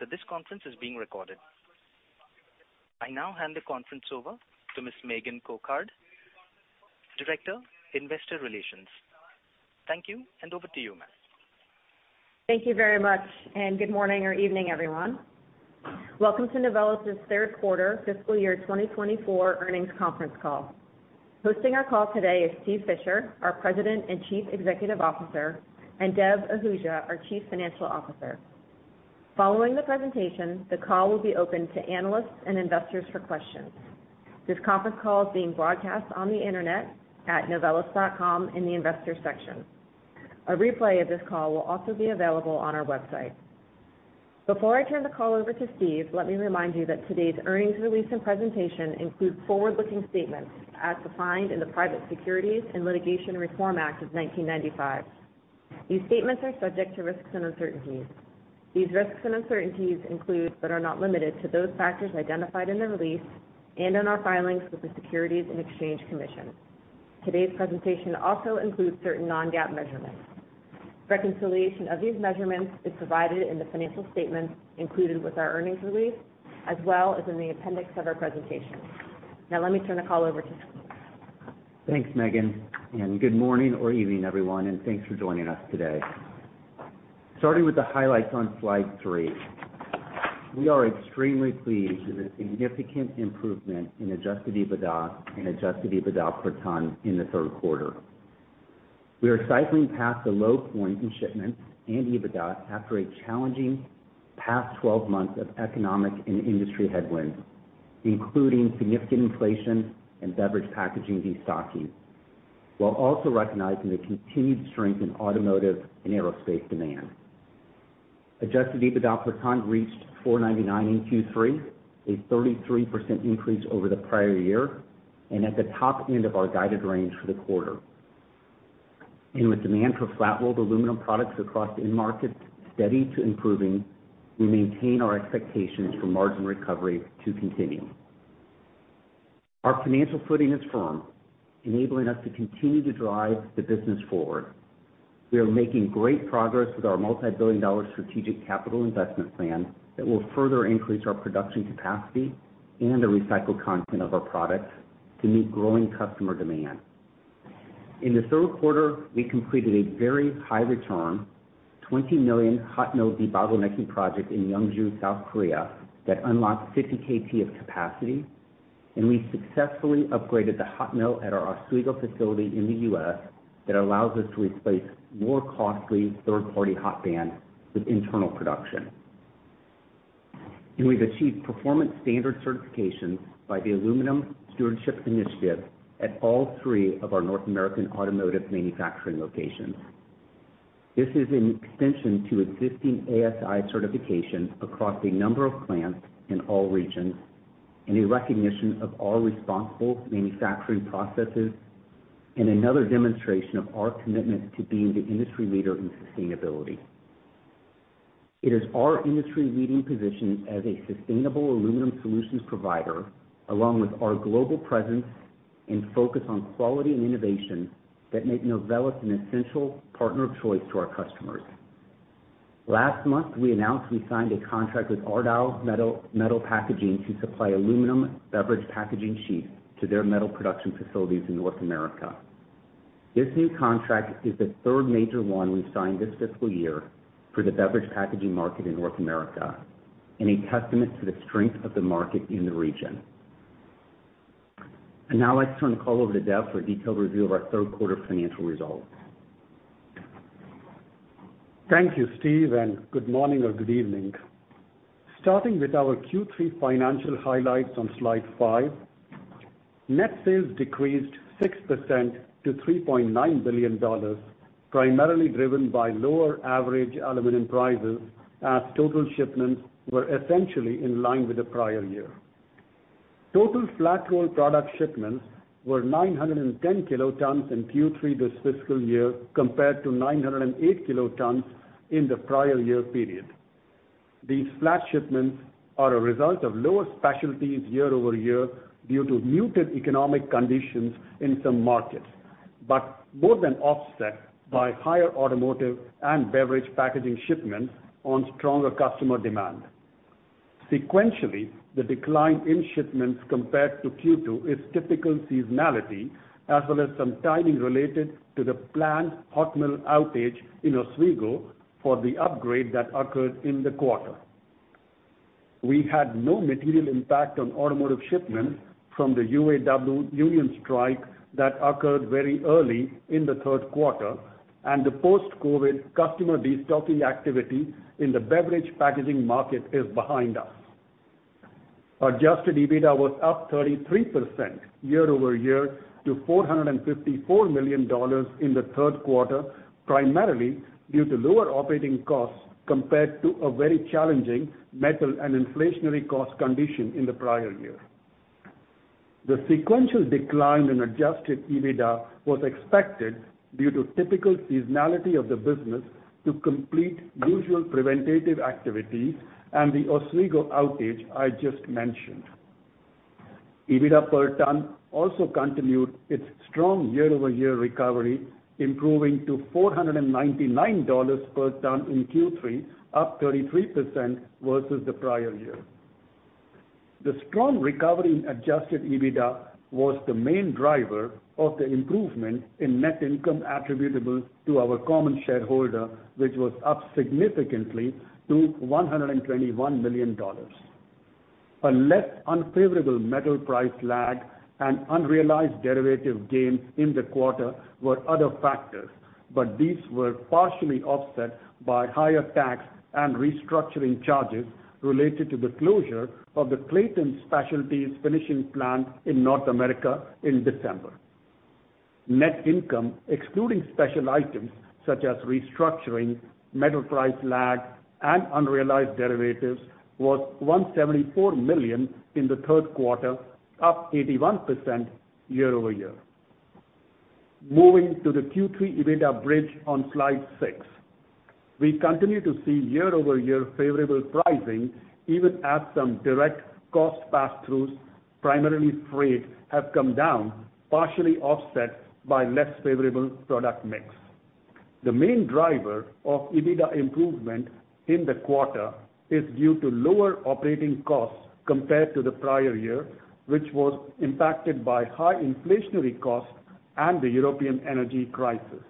that this conference is being recorded. I now hand the conference over to Ms. Megan Cochard, Director, Investor Relations. Thank you, and over to you, ma'am. Thank you very much, and good morning or evening, everyone. Welcome to Novelis's third quarter fiscal year 2024 earnings conference call. Hosting our call today is Steve Fisher, our President and Chief Executive Officer, and Dev Ahuja, our Chief Financial Officer. Following the presentation, the call will be open to analysts and investors for questions. This conference call is being broadcast on the Internet at novelis.com in the Investors section. A replay of this call will also be available on our website. Before I turn the call over to Steve, let me remind you that today's earnings release and presentation include forward-looking statements as defined in the Private Securities Litigation Reform Act of 1995. These statements are subject to risks and uncertainties. These risks and uncertainties include, but are not limited to, those factors identified in the release and in our filings with the Securities and Exchange Commission. Today's presentation also includes certain non-GAAP measurements. Reconciliation of these measurements is provided in the financial statements included with our earnings release, as well as in the appendix of our presentation. Now let me turn the call over to Steve. Thanks, Megan, and good morning or evening, everyone, and thanks for joining us today. Starting with the highlights on Slide 3. We are extremely pleased with the significant improvement in Adjusted EBITDA and Adjusted EBITDA per ton in the third quarter. We are cycling past the low point in shipments and EBITDA after a challenging past 12 months of economic and industry headwinds, including significant inflation and beverage packaging destocking, while also recognizing the continued strength in automotive and aerospace demand. Adjusted EBITDA per ton reached $499 in Q3, a 33% increase over the prior year, and at the top end of our guided range for the quarter. With demand for flat-rolled aluminum products across end markets steady to improving, we maintain our expectations for margin recovery to continue. Our financial footing is firm, enabling us to continue to drive the business forward. We are making great progress with our multibillion-dollar strategic capital investment plan that will further increase our production capacity and the recycled content of our products to meet growing customer demand. In the third quarter, we completed a very high-return, $20 million hot-mill debottlenecking project in Yeongju, South Korea, that unlocked 50kt of capacity. We successfully upgraded the hot mill at our Oswego facility in the US that allows us to replace more costly third-party hot bands with internal production. We've achieved performance standard certifications by the Aluminium Stewardship Initiative at all three of our North American automotive manufacturing locations. This is an extension to existing ASI certifications across a number of plants in all regions and a recognition of our responsible manufacturing processes and another demonstration of our commitment to being the industry leader in sustainability. It is our industry-leading position as a sustainable aluminum solutions provider, along with our global presence and focus on quality and innovation, that make Novelis an essential partner of choice to our customers. Last month, we announced we signed a contract with Ardagh Metal Packaging to supply aluminum beverage packaging sheets to their metal production facilities in North America. This new contract is the third major one we've signed this fiscal year for the beverage packaging market in North America and a testament to the strength of the market in the region. I'd now like to turn the call over to Dev for a detailed review of our third quarter financial results. Thank you, Steve, and good morning or good evening. Starting with our Q3 financial highlights on Slide 5, net sales decreased 6% to $3.9 billion, primarily driven by lower average aluminum prices as total shipments were essentially in line with the prior year. Total flat-rolled product shipments were 910 kilotons in Q3 this fiscal year, compared to 908 kilotons in the prior year period. These flat shipments are a result of lower specialties year-over-year due to muted economic conditions in some markets, but more than offset by higher automotive and beverage packaging shipments on stronger customer demand. Sequentially, the decline in shipments compared to Q2 is typical seasonality, as well as some timing related to the planned hot mill outage in Oswego for the upgrade that occurred in the quarter. We had no material impact on automotive shipments from the UAW union strike that occurred very early in the third quarter, and the post-COVID customer destocking activity in the beverage packaging market is behind us. Adjusted EBITDA was up 33% year-over-year to $454 million in the third quarter, primarily due to lower operating costs compared to a very challenging metal and inflationary cost condition in the prior year. The sequential decline in Adjusted EBITDA was expected due to typical seasonality of the business to complete usual preventative activities and the Oswego outage I just mentioned. EBITDA per ton also continued its strong year-over-year recovery, improving to $499 per ton in Q3, up 33% versus the prior year. The strong recovery in Adjusted EBITDA was the main driver of the improvement in net income attributable to our common shareholder, which was up significantly to $121 million. A less unfavorable metal price lag and unrealized derivative gains in the quarter were other factors, but these were partially offset by higher tax and restructuring charges related to the closure of the Clayton Specialties finishing plant in North America in December. Net income, excluding special items such as restructuring, metal price lag, and unrealized derivatives, was $174 million in the third quarter, up 81% year-over-year. Moving to the Q3 EBITDA bridge on Slide 6. We continue to see year-over-year favorable pricing, even as some direct cost pass-throughs, primarily freight, have come down, partially offset by less favorable product mix. The main driver of EBITDA improvement in the quarter is due to lower operating costs compared to the prior year, which was impacted by high inflationary costs and the European energy crisis.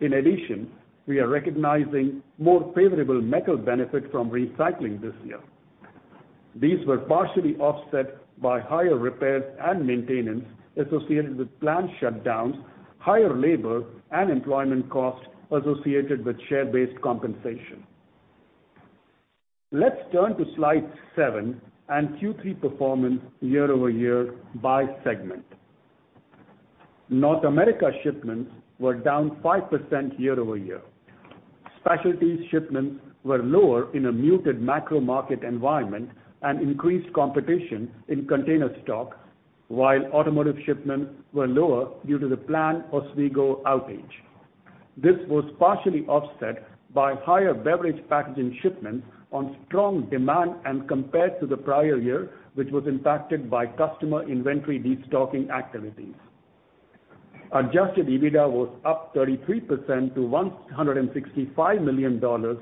In addition, we are recognizing more favorable metal benefit from recycling this year. These were partially offset by higher repairs and maintenance associated with plant shutdowns, higher labor and employment costs associated with share-based compensation. Let's turn to Slide 7 and Q3 performance year-over-year by segment. North America shipments were down 5% year-over-year. Specialties shipments were lower in a muted macro market environment and increased competition in container stock, while automotive shipments were lower due to the planned Oswego outage. This was partially offset by higher beverage packaging shipments on strong demand and compared to the prior year, which was impacted by customer inventory destocking activities. Adjusted EBITDA was up 33% to $165 million,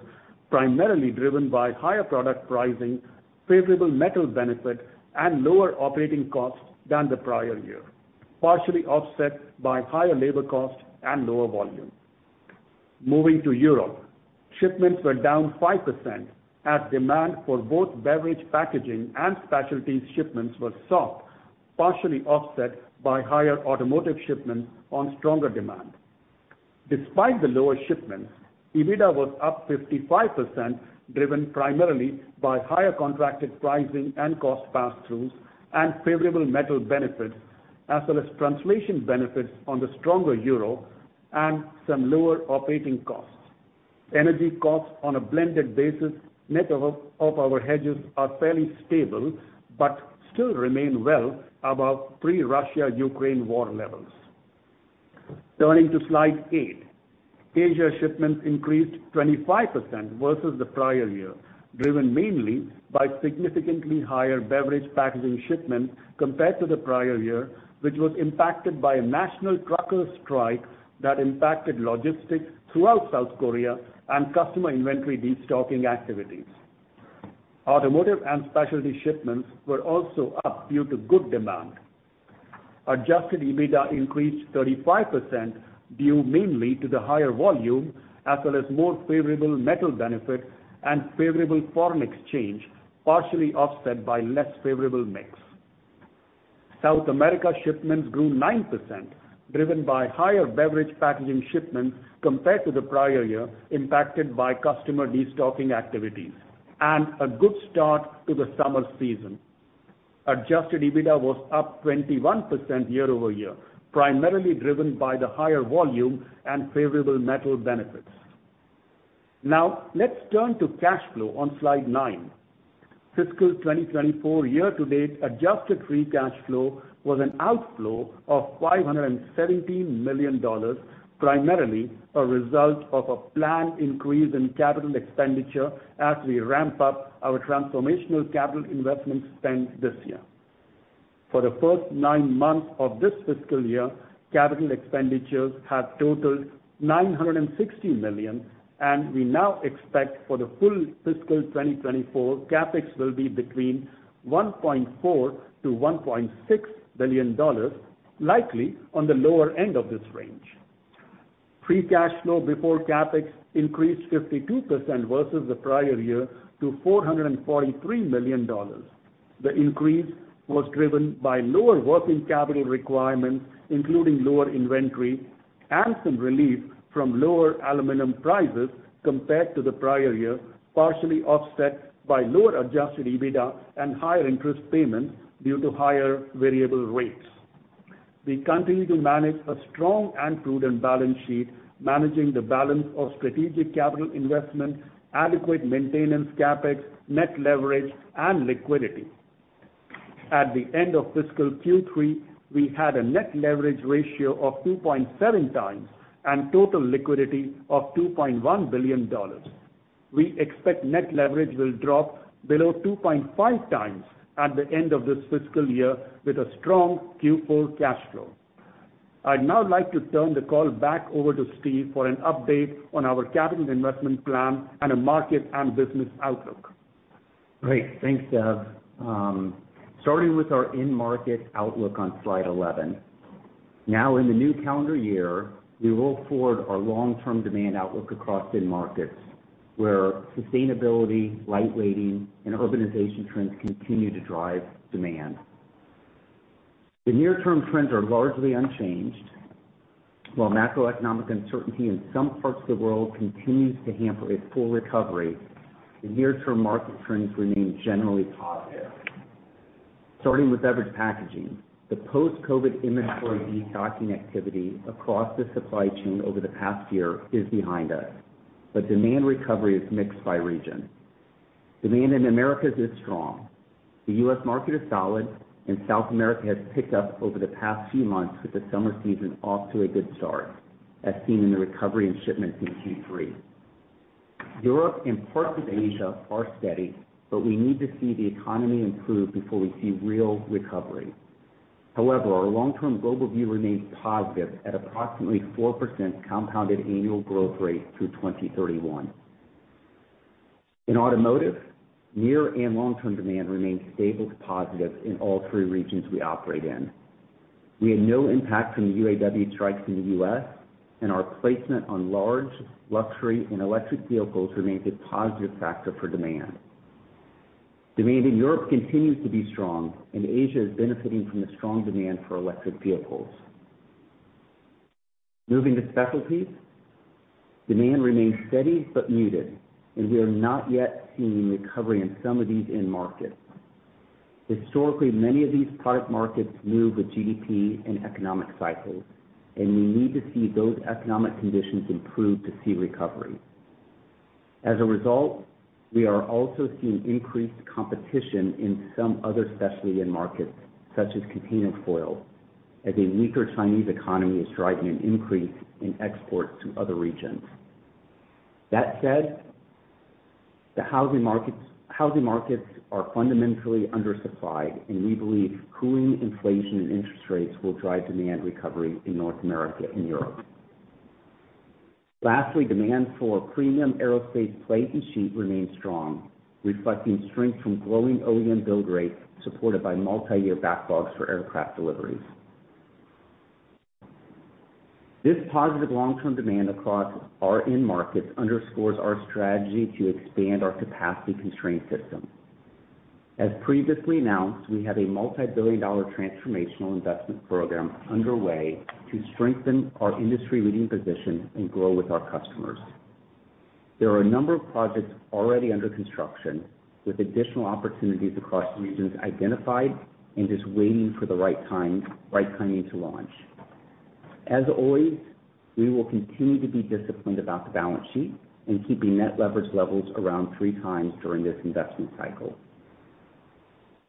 primarily driven by higher product pricing, favorable metal benefit, and lower operating costs than the prior year, partially offset by higher labor costs and lower volume. Moving to Europe. Shipments were down 5%, as demand for both beverage packaging and specialties shipments were soft, partially offset by higher automotive shipments on stronger demand. Despite the lower shipments, EBITDA was up 55%, driven primarily by higher contracted pricing and cost pass-throughs, and favorable metal benefits, as well as translation benefits on the stronger euro and some lower operating costs. Energy costs on a blended basis, net of our hedges, are fairly stable, but still remain well above pre-Russia-Ukraine war levels. Turning to Slide 8. Asia shipments increased 25% versus the prior year, driven mainly by significantly higher beverage packaging shipments compared to the prior year, which was impacted by a national trucker strike that impacted logistics throughout South Korea and customer inventory destocking activities. Automotive and specialty shipments were also up due to good demand. Adjusted EBITDA increased 35%, due mainly to the higher volume, as well as more favorable metal benefit and favorable foreign exchange, partially offset by less favorable mix. South America shipments grew 9%, driven by higher beverage packaging shipments compared to the prior year, impacted by customer destocking activities and a good start to the summer season. Adjusted EBITDA was up 21% year-over-year, primarily driven by the higher volume and favorable metal benefits. Now, let's turn to cash flow on Slide 9. Fiscal 2024 year-to-date adjusted free cash flow was an outflow of $517 million, primarily a result of a planned increase in capital expenditure as we ramp up our transformational capital investment spend this year. For the first nine months of this fiscal year, capital expenditures have totaled $960 million, we now expect for the full fiscal 2024, CapEx will be between $1.4 billion-$1.6 billion, likely on the lower end of this range. Free cash flow before CapEx increased 52% versus the prior year to $443 million. The increase was driven by lower working capital requirements, including lower inventory and some relief from lower aluminum prices compared to the prior year, partially offset by lower Adjusted EBITDA and higher interest payments due to higher variable rates. We continue to manage a strong and prudent balance sheet, managing the balance of strategic capital investment, adequate maintenance CapEx, net leverage, and liquidity. At the end of fiscal Q3, we had a net leverage ratio of 2.7 times and total liquidity of $2.1 billion. We expect net leverage will drop below 2.5 times at the end of this fiscal year, with a strong Q4 cash flow. I'd now like to turn the call back over to Steve for an update on our capital investment plan and a market and business outlook. Great. Thanks, Dev. Starting with our end market outlook on Slide 11. In the new calendar year, we roll forward our long-term demand outlook across end markets, where sustainability, light weighting, and urbanization trends continue to drive demand. The near-term trends are largely unchanged. While macroeconomic uncertainty in some parts of the world continues to hamper a full recovery, the near-term market trends remain generally positive. Starting with beverage packaging, the post-COVID inventory destocking activity across the supply chain over the past year is behind us, demand recovery is mixed by region. Demand in Americas is strong. The U.S. market is solid, South America has picked up over the past few months, with the summer season off to a good start, as seen in the recovery in shipments in Q3. Europe and parts of Asia are steady, but we need to see the economy improve before we see real recovery. However, our long-term global view remains positive at approximately 4% compounded annual growth rate through 2031. In automotive, near and long-term demand remains stable to positive in all three regions we operate in. We had no impact from the UAW strikes in the U.S., and our placement on large, luxury, and electric vehicles remains a positive factor for demand. Demand in Europe continues to be strong, and Asia is benefiting from the strong demand for electric vehicles. Moving to specialties, demand remains steady but muted, and we are not yet seeing recovery in some of these end markets. Historically, many of these product markets move with GDP and economic cycles, and we need to see those economic conditions improve to see recovery. We are also seeing increased competition in some other specialty end markets, such as container foil, as a weaker Chinese economy is driving an increase in exports to other regions. The housing markets are fundamentally undersupplied, and we believe cooling inflation and interest rates will drive demand recovery in North America and Europe. Demand for premium aerospace plate and sheet remains strong, reflecting strength from growing OEM build rates, supported by multi-year backlogs for aircraft deliveries. This positive long-term demand across our end markets underscores our strategy to expand our capacity-constrained system. We have a multibillion-dollar transformational investment program underway to strengthen our industry-leading position and grow with our customers. There are a number of projects already under construction, with additional opportunities across regions identified and just waiting for the right timing to launch. As always, we will continue to be disciplined about the balance sheet and keeping net leverage levels around three times during this investment cycle.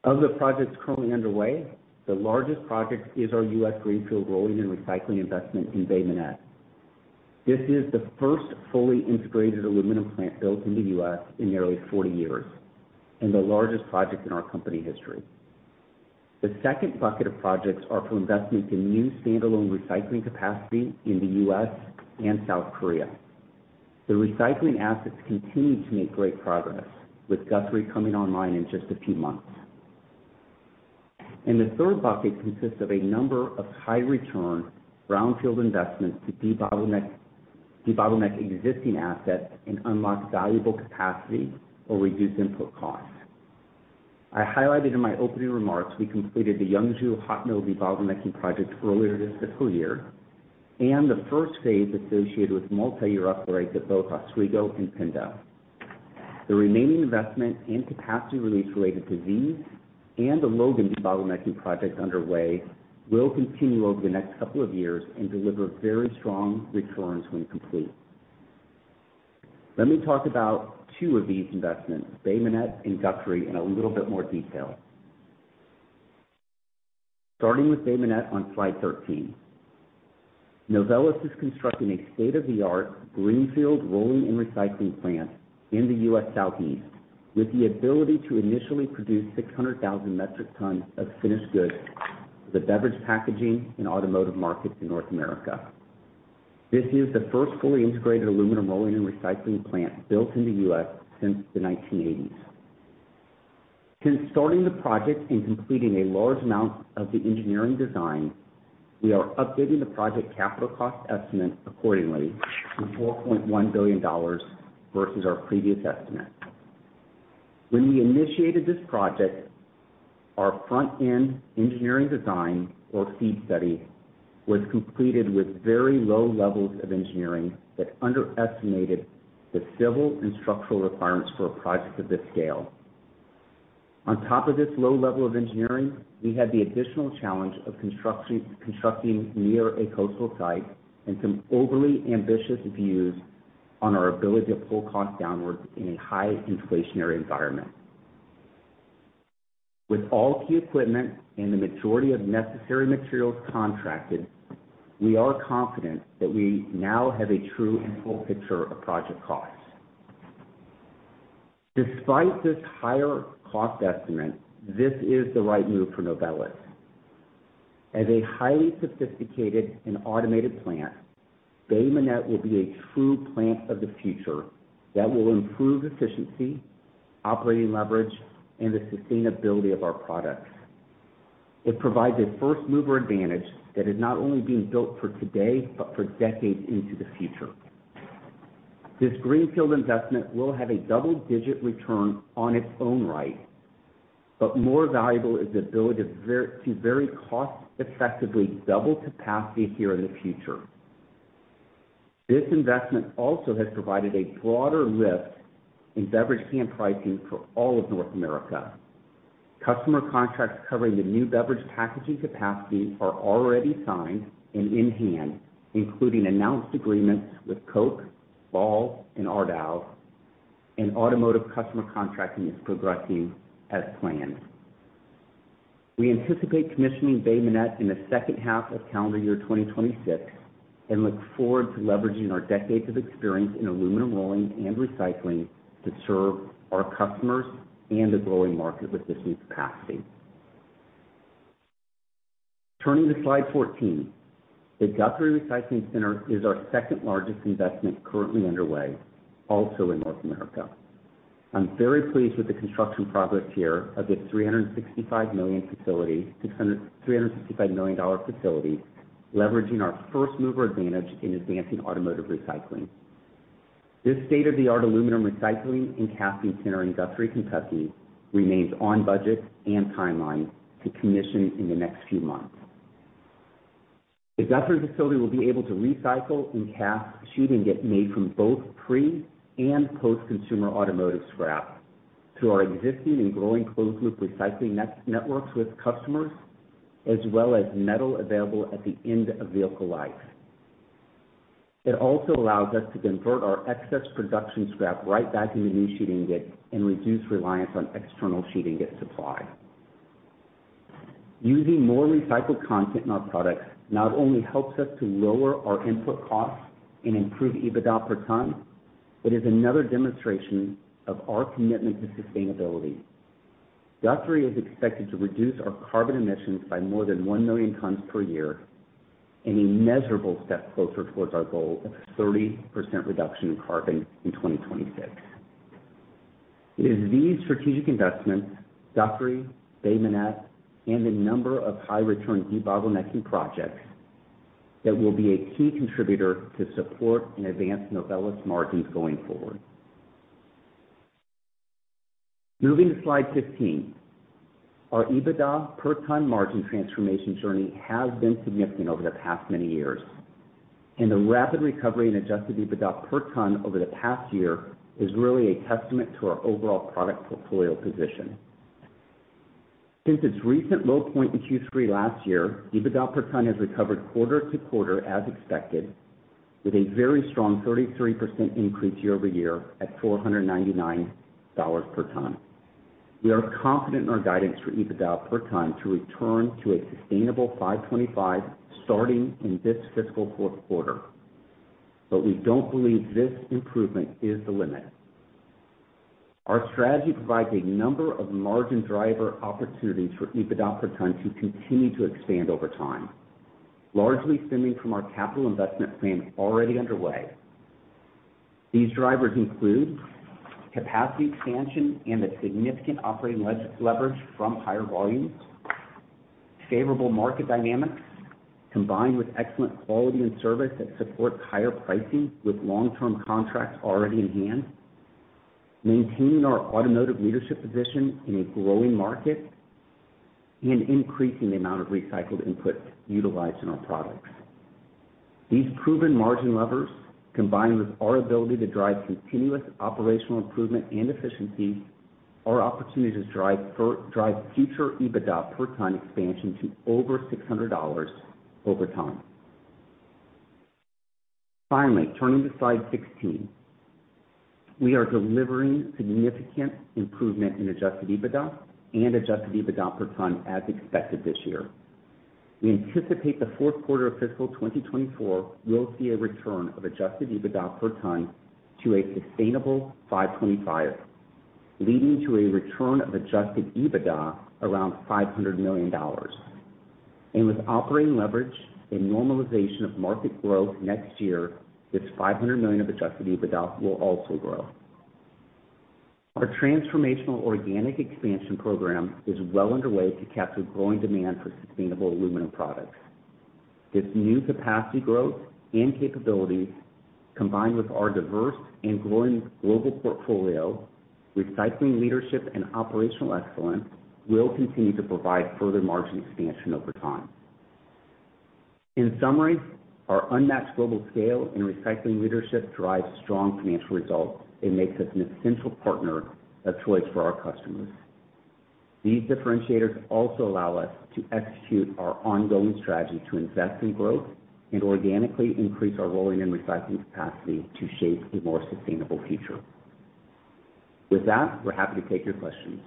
Of the projects currently underway, the largest project is our U.S. greenfield rolling and recycling investment in Bay Minette. This is the first fully integrated aluminum plant built in the U.S. in nearly 40 years and the largest project in our company history. The second bucket of projects are for investments in new standalone recycling capacity in the U.S. and South Korea. The recycling assets continue to make great progress, with Guthrie coming online in just a few months. The third bucket consists of a number of high-return, brownfield investments to debottleneck existing assets and unlock valuable capacity or reduce input costs. I highlighted in my opening remarks, we completed the Yeongju hot mill debottlenecking project earlier this fiscal year, and the first phase associated with multi-year upgrades at both Oswego and Pinda. The remaining investment and capacity release related to these and the Logan debottlenecking project underway, will continue over the next couple of years and deliver very strong returns when complete. Let me talk about two of these investments, Bay Minette and Guthrie, in a little bit more detail. Starting with Bay Minette on Slide 13. Novelis is constructing a state-of-the-art greenfield rolling and recycling plant in the U.S. Southeast, with the ability to initially produce 600,000 metric tons of finished goods for the beverage, packaging, and automotive markets in North America. This is the first fully integrated aluminum rolling and recycling plant built in the U.S. since the 1980s. Since starting the project and completing a large amount of the engineering design, we are updating the project capital cost estimate accordingly to $4.1 billion versus our previous estimate. When we initiated this project, our Front-End Engineering Design, or FEED study, was completed with very low levels of engineering that underestimated the civil and structural requirements for a project of this scale. On top of this low level of engineering, we had the additional challenge of construction, constructing near a coastal site and some overly ambitious views on our ability to pull costs downwards in a high inflationary environment. With all key equipment and the majority of necessary materials contracted, we are confident that we now have a true and full picture of project costs. Despite this higher cost estimate, this is the right move for Novelis. As a highly sophisticated and automated plant, Bay Minette will be a true plant of the future that will improve efficiency, operating leverage, and the sustainability of our products. It provides a first-mover advantage that is not only being built for today, but for decades into the future. This greenfield investment will have a double-digit return on its own right, but more valuable is the ability to very cost-effectively double capacity here in the future. This investment also has provided a broader lift in beverage can pricing for all of North America. Customer contracts covering the new beverage packaging capacity are already signed and in hand, including announced agreements with Coke, Ball, and Ardagh, and automotive customer contracting is progressing as planned. We anticipate commissioning Bay Minette in the second half of calendar year 2026, and look forward to leveraging our decades of experience in aluminum rolling and recycling to serve our customers and the growing market with this new capacity. Turning to Slide 14, the Guthrie Recycling Center is our second-largest investment currently underway, also in North America. I'm very pleased with the construction progress here of this $365 million facility, leveraging our first-mover advantage in advancing automotive recycling. This state-of-the-art aluminum recycling and casting center in Guthrie, Kentucky, remains on budget and timeline to commission in the next few months. The Guthrie facility will be able to recycle and cast sheet ingot made from both pre- and post-consumer automotive scrap, through our existing and growing closed-loop recycling networks with customers, as well as metal available at the end of vehicle life. It also allows us to convert our excess production scrap right back into new sheet ingot and reduce reliance on external sheet ingot supply. Using more recycled content in our products not only helps us to lower our input costs and improve EBITDA per ton, is another demonstration of our commitment to sustainability. Guthrie is expected to reduce our carbon emissions by more than 1 million tons per year, an immeasurable step closer towards our goal of 30% reduction in carbon in 2026. It is these strategic investments, Guthrie, Bay Minette, and a number of high-return debottlenecking projects, that will be a key contributor to support and advance Novelis margins going forward. Moving to Slide 15. Our EBITDA per ton margin transformation journey has been significant over the past many years. The rapid recovery in Adjusted EBITDA per ton over the past year is really a testament to our overall product portfolio position. Since its recent low point in Q3 last year, EBITDA per ton has recovered quarter to quarter as expected, with a very strong 33% increase year-over-year at $499 per ton. We are confident in our guidance for EBITDA per ton to return to a sustainable $525, starting in this fiscal fourth quarter. We don't believe this improvement is the limit. Our strategy provides a number of margin driver opportunities for EBITDA per ton to continue to expand over time, largely stemming from our capital investment plan already underway. These drivers include capacity expansion and a significant operating leverage from higher volumes, favorable market dynamics, combined with excellent quality and service that supports higher pricing with long-term contracts already in hand, maintaining our automotive leadership position in a growing market, and increasing the amount of recycled input utilized in our products. These proven margin levers, combined with our ability to drive continuous operational improvement and efficiency, are opportunities to drive future EBITDA per ton expansion to over $600 over time. Finally, turning to slide 16. We are delivering significant improvement in Adjusted EBITDA and Adjusted EBITDA per ton as expected this year. We anticipate the fourth quarter of fiscal 2024 will see a return of Adjusted EBITDA per ton to a sustainable $525, leading to a return of Adjusted EBITDA around $500 million. With operating leverage and normalization of market growth next year, this $500 million of Adjusted EBITDA will also grow. Our transformational organic expansion program is well underway to capture growing demand for sustainable aluminum products. This new capacity growth and capabilities, combined with our diverse and growing global portfolio, recycling leadership and operational excellence, will continue to provide further margin expansion over time. In summary, our unmatched global scale and recycling leadership drives strong financial results and makes us an essential partner of choice for our customers. These differentiators also allow us to execute our ongoing strategy to invest in growth. Organically increase our rolling and recycling capacity to shape a more sustainable future. With that, we're happy to take your questions.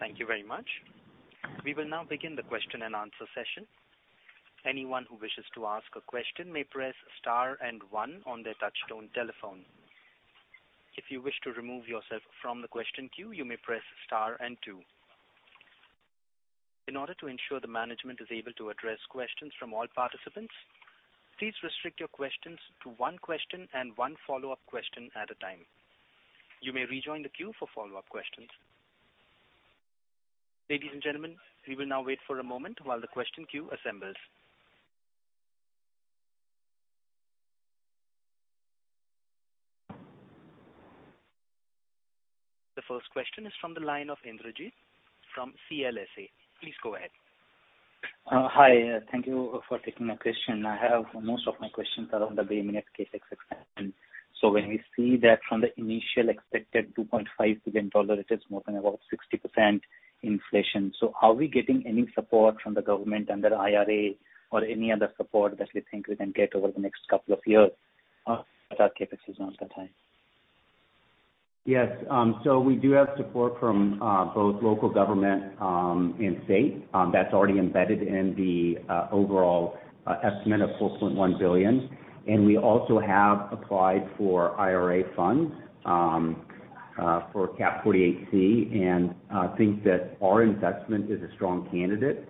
Thank you very much. We will now begin the question and answer session. Anyone who wishes to ask a question may press star and one on their touchtone telephone. If you wish to remove yourself from the question queue, you may press star and two. In order to ensure the management is able to address questions from all participants, please restrict your questions to one question and one follow-up question at a time. You may rejoin the queue for follow-up questions. Ladies and gentlemen, we will now wait for a moment while the question queue assembles. The first question is from the line of Indrajit from CLSA. Please go ahead. Hi, thank you for taking my question. I have most of my questions are on the Guthrie CapEx expansion. When we see that from the initial expected $2.5 billion, it is more than about 60% inflation. Are we getting any support from the government under IRA or any other support that we think we can get over the next couple of years, at our CapEx design that time? Yes. So we do have support from both local government and state that's already embedded in the overall estimate of $4.1 billion. We also have applied for IRA funds for Cap 48C, and think that our investment is a strong candidate.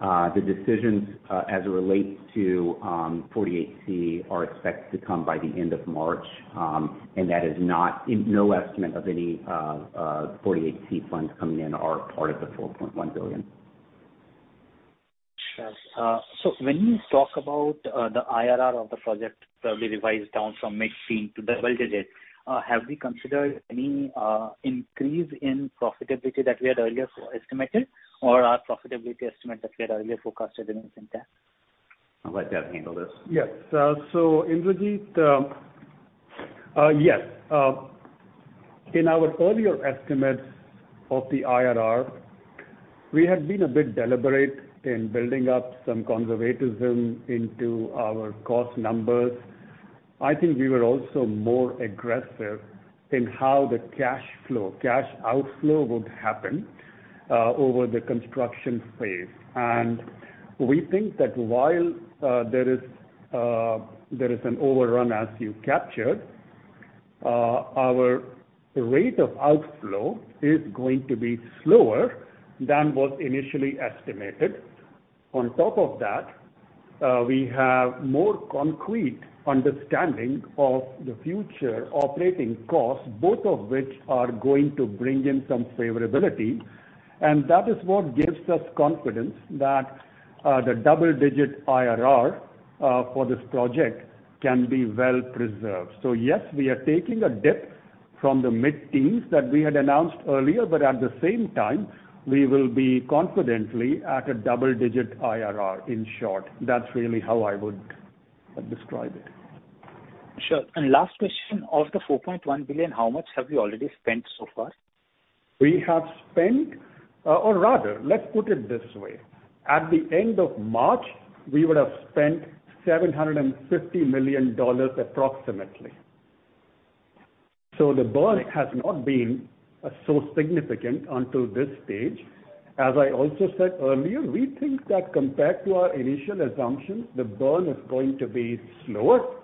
The decisions as it relates to 48C are expected to come by the end of March, and in no estimate of any 48C funds coming in are part of the $4.1 billion. Sure. When you talk about the IRR of the project, we revised down from mid-teen to double digit, have we considered any increase in profitability that we had earlier estimated, or our profitability estimate that we had earlier forecasted remains intact? I'll let Dev handle this. Yes. Indrajit, yes. In our earlier estimates of the IRR, we had been a bit deliberate in building up some conservatism into our cost numbers. I think we were also more aggressive in how the cash flow, cash outflow would happen over the construction phase. We think that while there is an overrun, as you captured, our rate of outflow is going to be slower than what initially estimated. On top of that, we have more concrete understanding of the future operating costs, both of which are going to bring in some favorability, and that is what gives us confidence that the double-digit IRR for this project can be well preserved. Yes, we are taking a dip from the mid-teens that we had announced earlier, but at the same time, we will be confidently at a double-digit IRR. In short, that's really how I would describe it. Sure. last question, of the $4.1 billion, how much have you already spent so far? We have spent, or rather, let's put it this way, at the end of March, we would have spent $750 million, approximately. The burn has not been so significant until this stage. I also said earlier, we think that compared to our initial assumptions, the burn is going to be slower,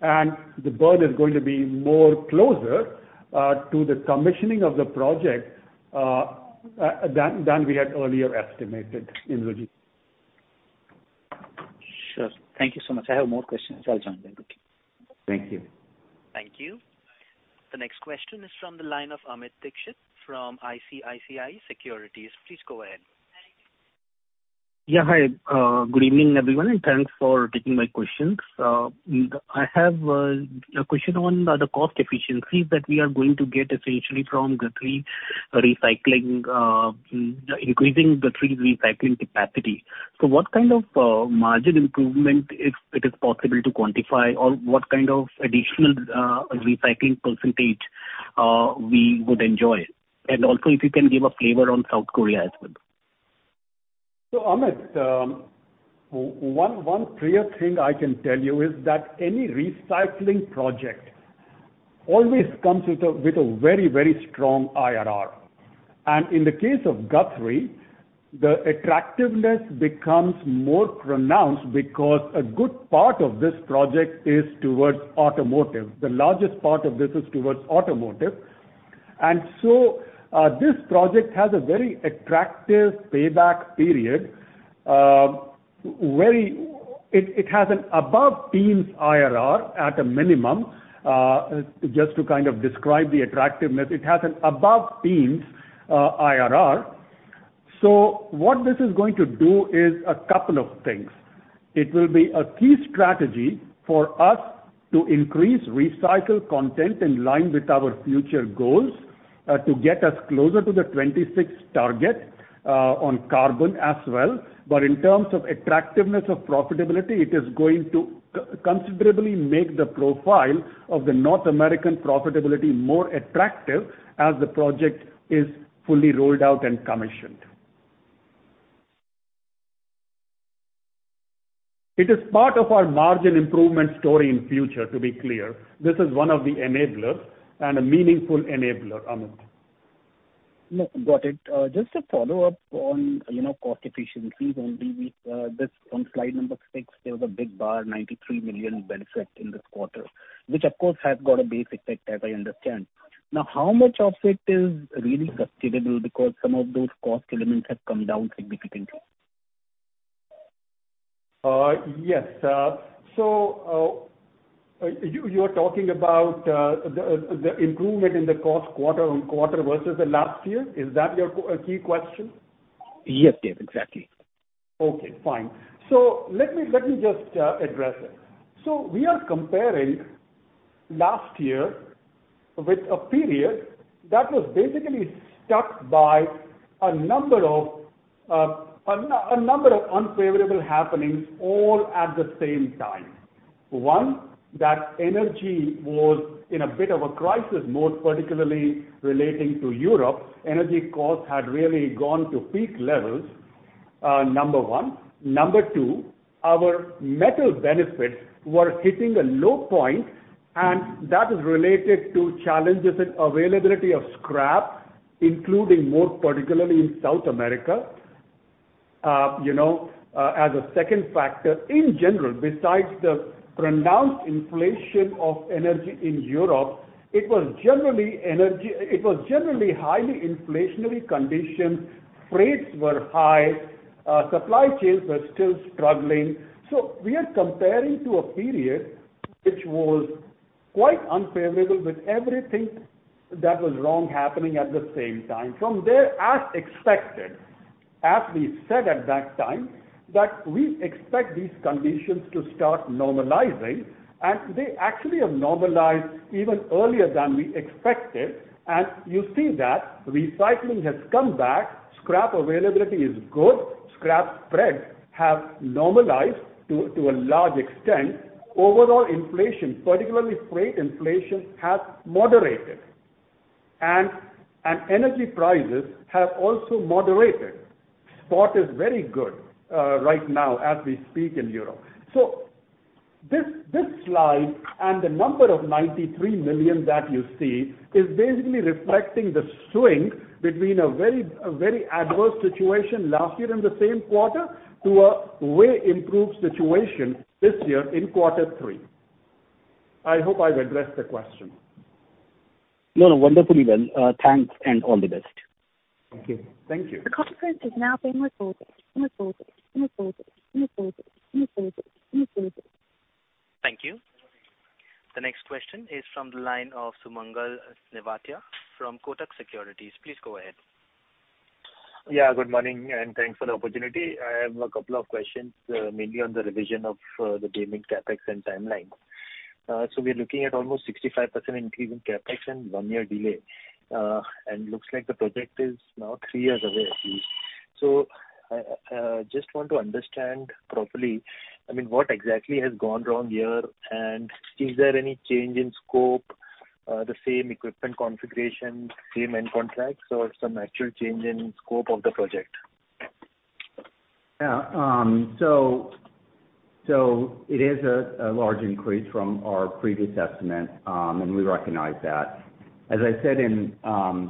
and the burn is going to be more closer to the commissioning of the project, than we had earlier estimated, Indrajit. Sure. Thank you so much. I have more questions. I'll join then. Thank you. Thank you. The next question is from the line of Amit Dixit from ICICI Securities. Please go ahead. Hi. Good evening, everyone, and thanks for taking my questions. I have a question on the cost efficiencies that we are going to get essentially from increasing the three recycling capacity. What kind of margin improvement, if it is possible to quantify, or what kind of additional recycling percentage we would enjoy? Also if you can give a flavor on South Korea as well. Amit, one clear thing I can tell you is that any recycling project always comes with a very, very strong IRR. In the case of Guthrie, the attractiveness becomes more pronounced because a good part of this project is towards automotive. The largest part of this is towards automotive. This project has a very attractive payback period. It has an above teens IRR at a minimum, just to kind of describe the attractiveness. It has an above teens IRR. What this is going to do is a couple of things. It will be a key strategy for us to increase recycled content in line with our future goals, to get us closer to the 2026 target on carbon as well. In terms of attractiveness of profitability, it is going to considerably make the profile of the North American profitability more attractive as the project is fully rolled out and commissioned. It is part of our margin improvement story in future, to be clear. This is one of the enablers and a meaningful enabler, Amit. No, got it. just a follow-up on, you know, cost efficiencies only. This on slide 6, there was a big bar, $93 million benefit in this quarter, which of course has got a base effect, as I understand. How much of it is really sustainable? Some of those cost elements have come down significantly. Yes. You are talking about the improvement in the cost quarter-on-quarter versus the last year. Is that your key question? Yes, Dev, exactly. Okay, fine. Let me just address it. We are comparing last year with a period that was basically stuck by a number of unfavorable happenings all at the same time. One, that energy was in a bit of a crisis mode, particularly relating to Europe. Energy costs had really gone to peak levels, number one. Number two, our metal benefits were hitting a low point, and that is related to challenges in availability of scrap, including more particularly in South America. You know, as a second factor, in general, besides the pronounced inflation of energy in Europe, it was generally highly inflationary condition. Freight were high, supply chains were still struggling. We are comparing to a period which was quite unfavorable, with everything that was wrong happening at the same time. From there, as expected, as we said at that time, that we expect these conditions to start normalizing, and they actually have normalized even earlier than we expected. You see that recycling has come back, scrap availability is good, scrap spreads have normalized to a large extent. Overall inflation, particularly freight inflation, has moderated, and energy prices have also moderated. Spot is very good right now, as we speak in Europe. This slide and the number of 93 million that you see is basically reflecting the swing between a very adverse situation last year in the same quarter, to a way improved situation this year in quarter three. I hope I've addressed the question. No, no, wonderfully well. Thanks and all the best. Thank you. Thank you. Thank you. The next question is from the line of Sumangal Nevatia from Kotak Securities. Please go ahead. Yeah, good morning, and thanks for the opportunity. I have a couple of questions, mainly on the revision of the gaming CapEx and timeline. We're looking at almost 65% increase in CapEx and one-year delay, and looks like the project is now three years away at least. I just want to understand properly, I mean, what exactly has gone wrong here, and is there any change in scope, the same equipment configuration, same end contracts, or some actual change in scope of the project? Yeah, it is a large increase from our previous estimate, and we recognize that. As I said in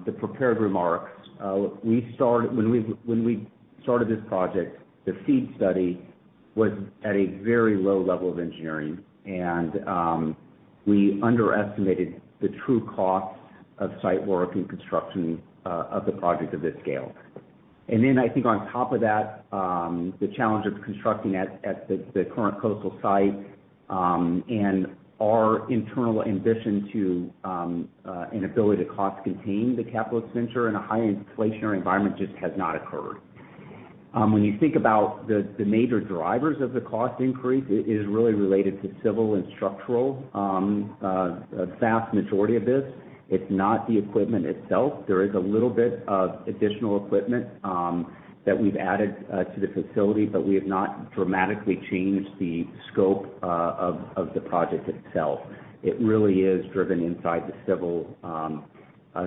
the prepared remarks, when we started this project, the FEED study was at a very low level of engineering and we underestimated the true costs of site work and construction of the project of this scale. I think on top of that, the challenge of constructing at the current coastal site and our internal ambition to an ability to cost contain the capital expenditure in a high inflationary environment just has not occurred. When you think about the major drivers of the cost increase, it is really related to civil and structural. A vast majority of this, it's not the equipment itself. There is a little bit of additional equipment that we've added to the facility, but we have not dramatically changed the scope of the project itself. It really is driven inside the civil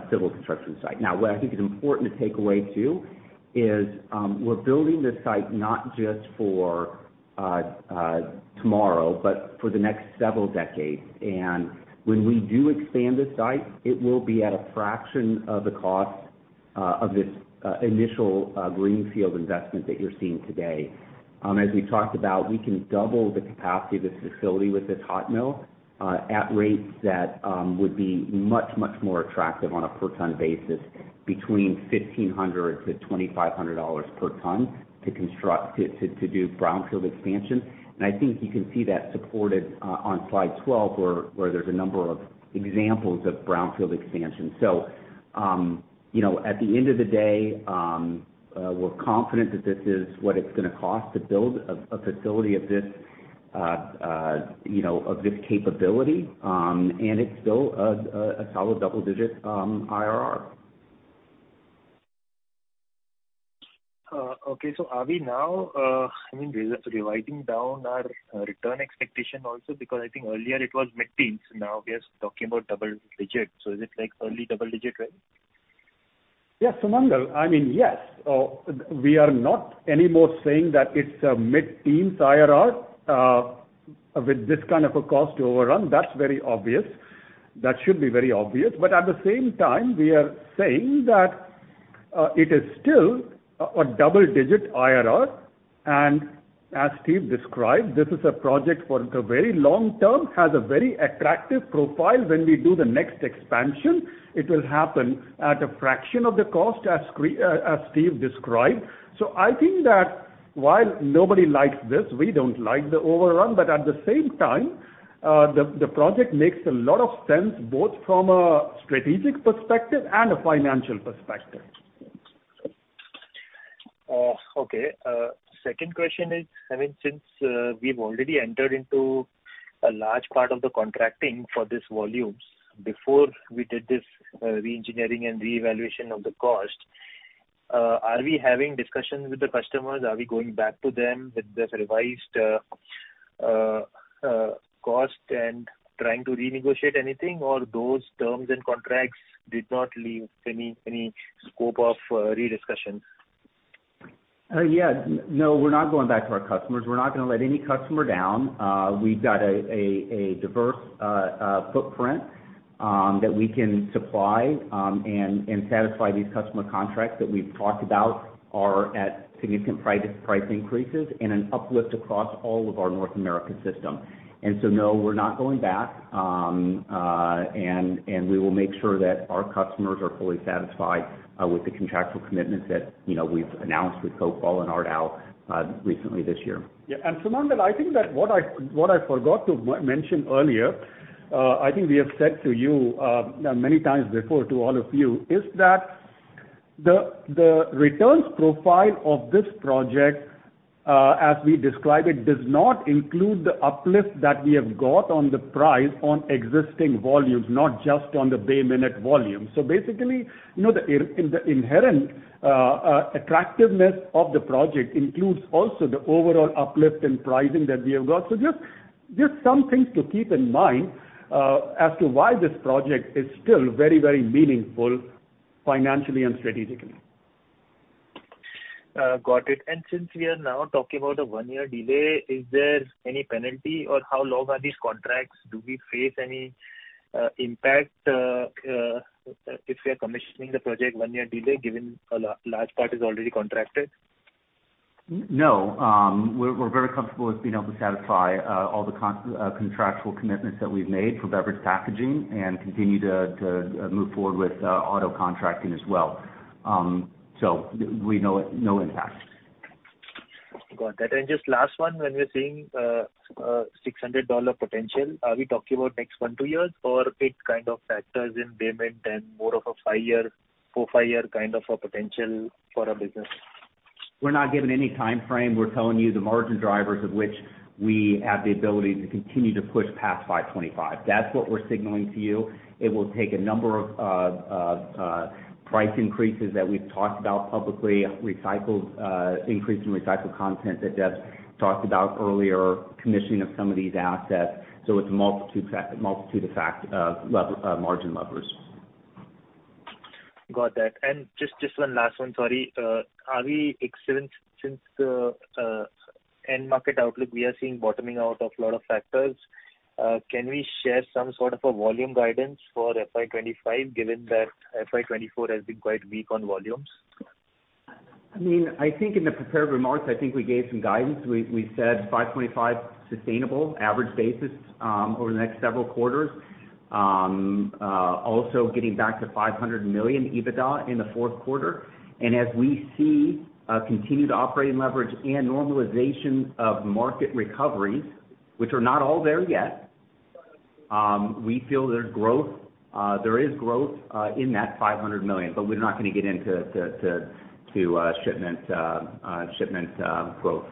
civil construction site. Now, what I think is important to take away, too, is we're building this site not just for tomorrow, but for the next several decades. When we do expand this site, it will be at a fraction of the cost of this initial greenfield investment that you're seeing today. As we talked about, we can double the capacity of this facility with this hot mill at rates that would be much, much more attractive on a per ton basis, between $1,500-$2,500 per ton, to construct, to do brownfield expansion. I think you can see that supported on Slide 12, where there's a number of examples of brownfield expansion. You know, at the end of the day, we're confident that this is what it's gonna cost to build a facility of this, you know, of this capability, and it's still a solid double-digit IRR. Okay, are we now, I mean, revising down our return expectation also? I think earlier it was mid-teens, now we are talking about double digits. Is it like early double-digit range? Yes, Sumangal, I mean, yes, we are not anymore saying that it's a mid-teens IRR, with this kind of a cost overrun. That's very obvious. That should be very obvious. At the same time, we are saying that it is still a double-digit IRR. As Steve described, this is a project for the very long term, has a very attractive profile. When we do the next expansion, it will happen at a fraction of the cost, as Steve described. I think that while nobody likes this, we don't like the overrun, but at the same time, the project makes a lot of sense, both from a strategic perspective and a financial perspective. Okay. Second question is, I mean, since we've already entered into a large part of the contracting for these volumes before we did this reengineering and reevaluation of the cost, are we having discussions with the customers? Are we going back to them with this revised cost and trying to renegotiate anything, or those terms and contracts did not leave any scope of rediscussion? Yeah. No, we're not going back to our customers. We're not gonna let any customer down. We've got a diverse footprint that we can supply and satisfy these customer contracts that we've talked about are at significant price increases and an uplift across all of our North American system. No, we're not going back. We will make sure that our customers are fully satisfied with the contractual commitments that, you know, we've announced with Coca-Cola, Ball, and Ardagh recently this year. Yeah, Sumangal, I think that what I forgot to mention earlier, I think we have said to you many times before to all of you, is that the returns profile of this project, as we describe it, does not include the uplift that we have got on the price on existing volumes, not just on the Bay Minette volume. Basically, you know, in the inherent attractiveness of the project includes also the overall uplift in pricing that we have got. Just some things to keep in mind as to why this project is still very, very meaningful financially and strategically. Got it. Since we are now talking about a one-year delay, is there any penalty, or how long are these contracts? Do we face any impact if we are commissioning the project one-year delay, given a large part is already contracted? No. We're very comfortable with being able to satisfy all the contractual commitments that we've made for beverage packaging and continue to move forward with auto contracting as well. We no impact. Got that. Just last one, when we're seeing $600 potential, are we talking about next one, two years, or it kind of factors in Bay Minette and more of a five-year, four, five-year kind of a potential for our business? We're not giving any timeframe. We're telling you the margin drivers of which we have the ability to continue to push past $525. That's what we're signaling to you. It will take a number of price increases that we've talked about publicly, recycled, increase in recycled content that Dev talked about earlier, commissioning of some of these assets. It's multitude of fact, margin levers. Got that. Just one last one, sorry. Are we expecting since the end market outlook, we are seeing bottoming out of a lot of factors, can we share some sort of a volume guidance for FY 2025, given that FY 2024 has been quite weak on volumes? I mean, I think in the prepared remarks, I think we gave some guidance. We said 525 sustainable average basis over the next several quarters. Also getting back to $500 million EBITDA in the fourth quarter. As we see continued operating leverage and normalization of market recovery, which are not all there yet, we feel there's growth. There is growth in that $500 million, we're not going to get into shipment growth.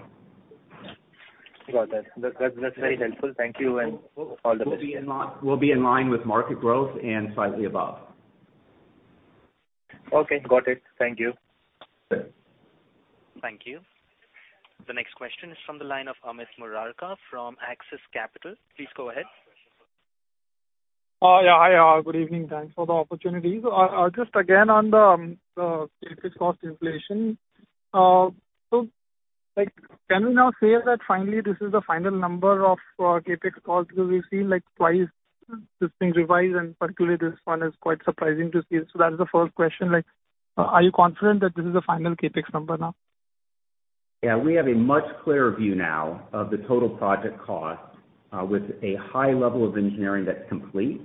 Got that. That's very helpful. Thank you and all the best. We'll be in line with market growth and slightly above. Okay, got it. Thank you. Sure. Thank you. The next question is from the line of Amit Murarka from Axis Capital. Please go ahead. Yeah. Hi, good evening. Thanks for the opportunity. Just again on the CapEx cost inflation. Like, can we now say that finally, this is the final number of CapEx costs? Because we've seen, like, twice this being revised, and particularly this one is quite surprising to see. That is the first question. Like, are you confident that this is the final CapEx number now? Yeah, we have a much clearer view now of the total project cost, with a high level of engineering that's complete,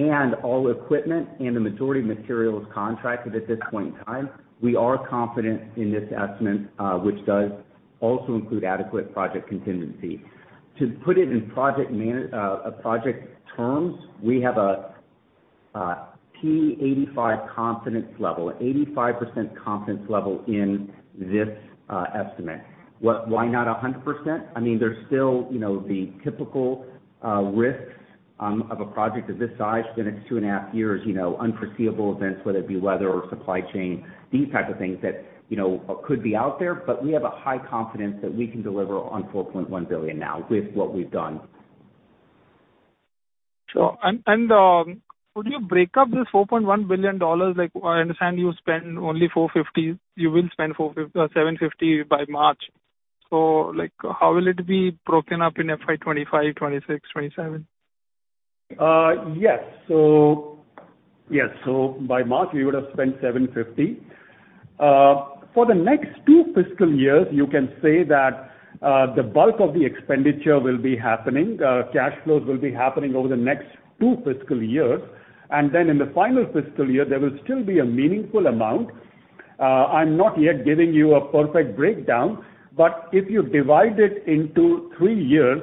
and all equipment and the majority of materials contracted at this point in time. We are confident in this estimate, which does also include adequate project contingency. To put it in project terms, we have a T85 confidence level, 85% confidence level in this estimate. Why not 100%? I mean, there's still, you know, the typical risks, of a project of this size within its 2.5 years, you know, unforeseeable events, whether it be weather or supply chain, these type of things that, you know, could be out there. We have a high confidence that we can deliver on $4.1 billion now with what we've done. Sure. Could you break up this $4.1 billion? Like, I understand you spend only $450, you will spend $750 by March. Like, how will it be broken up in FY 2025, 2026, 2027? Yes, by March, we would have spent $750. For the next two fiscal years, you can say that the bulk of the expenditure will be happening, cash flows will be happening over the next two fiscal years. In the final fiscal year, there will still be a meaningful amount. I'm not yet giving you a perfect breakdown, if you divide it into three years,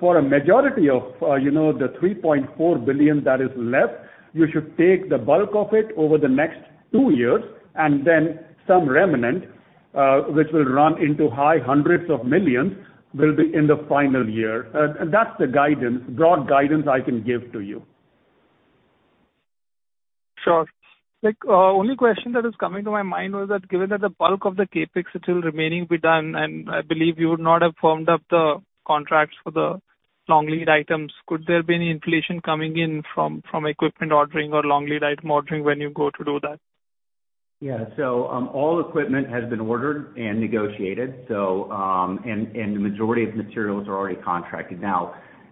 for a majority of, you know, the $3.4 billion that is left, you should take the bulk of it over the next two years, and then some remnant, which will run into high hundreds of millions, will be in the final year. That's the guidance, broad guidance I can give to you. Sure. Like, only question that is coming to my mind was that given that the bulk of the CapEx that will remaining be done, and I believe you would not have firmed up the contracts for the long lead items, could there be any inflation coming in from equipment ordering or long lead item ordering when you go to do that? All equipment has been ordered and negotiated, and the majority of materials are already contracted.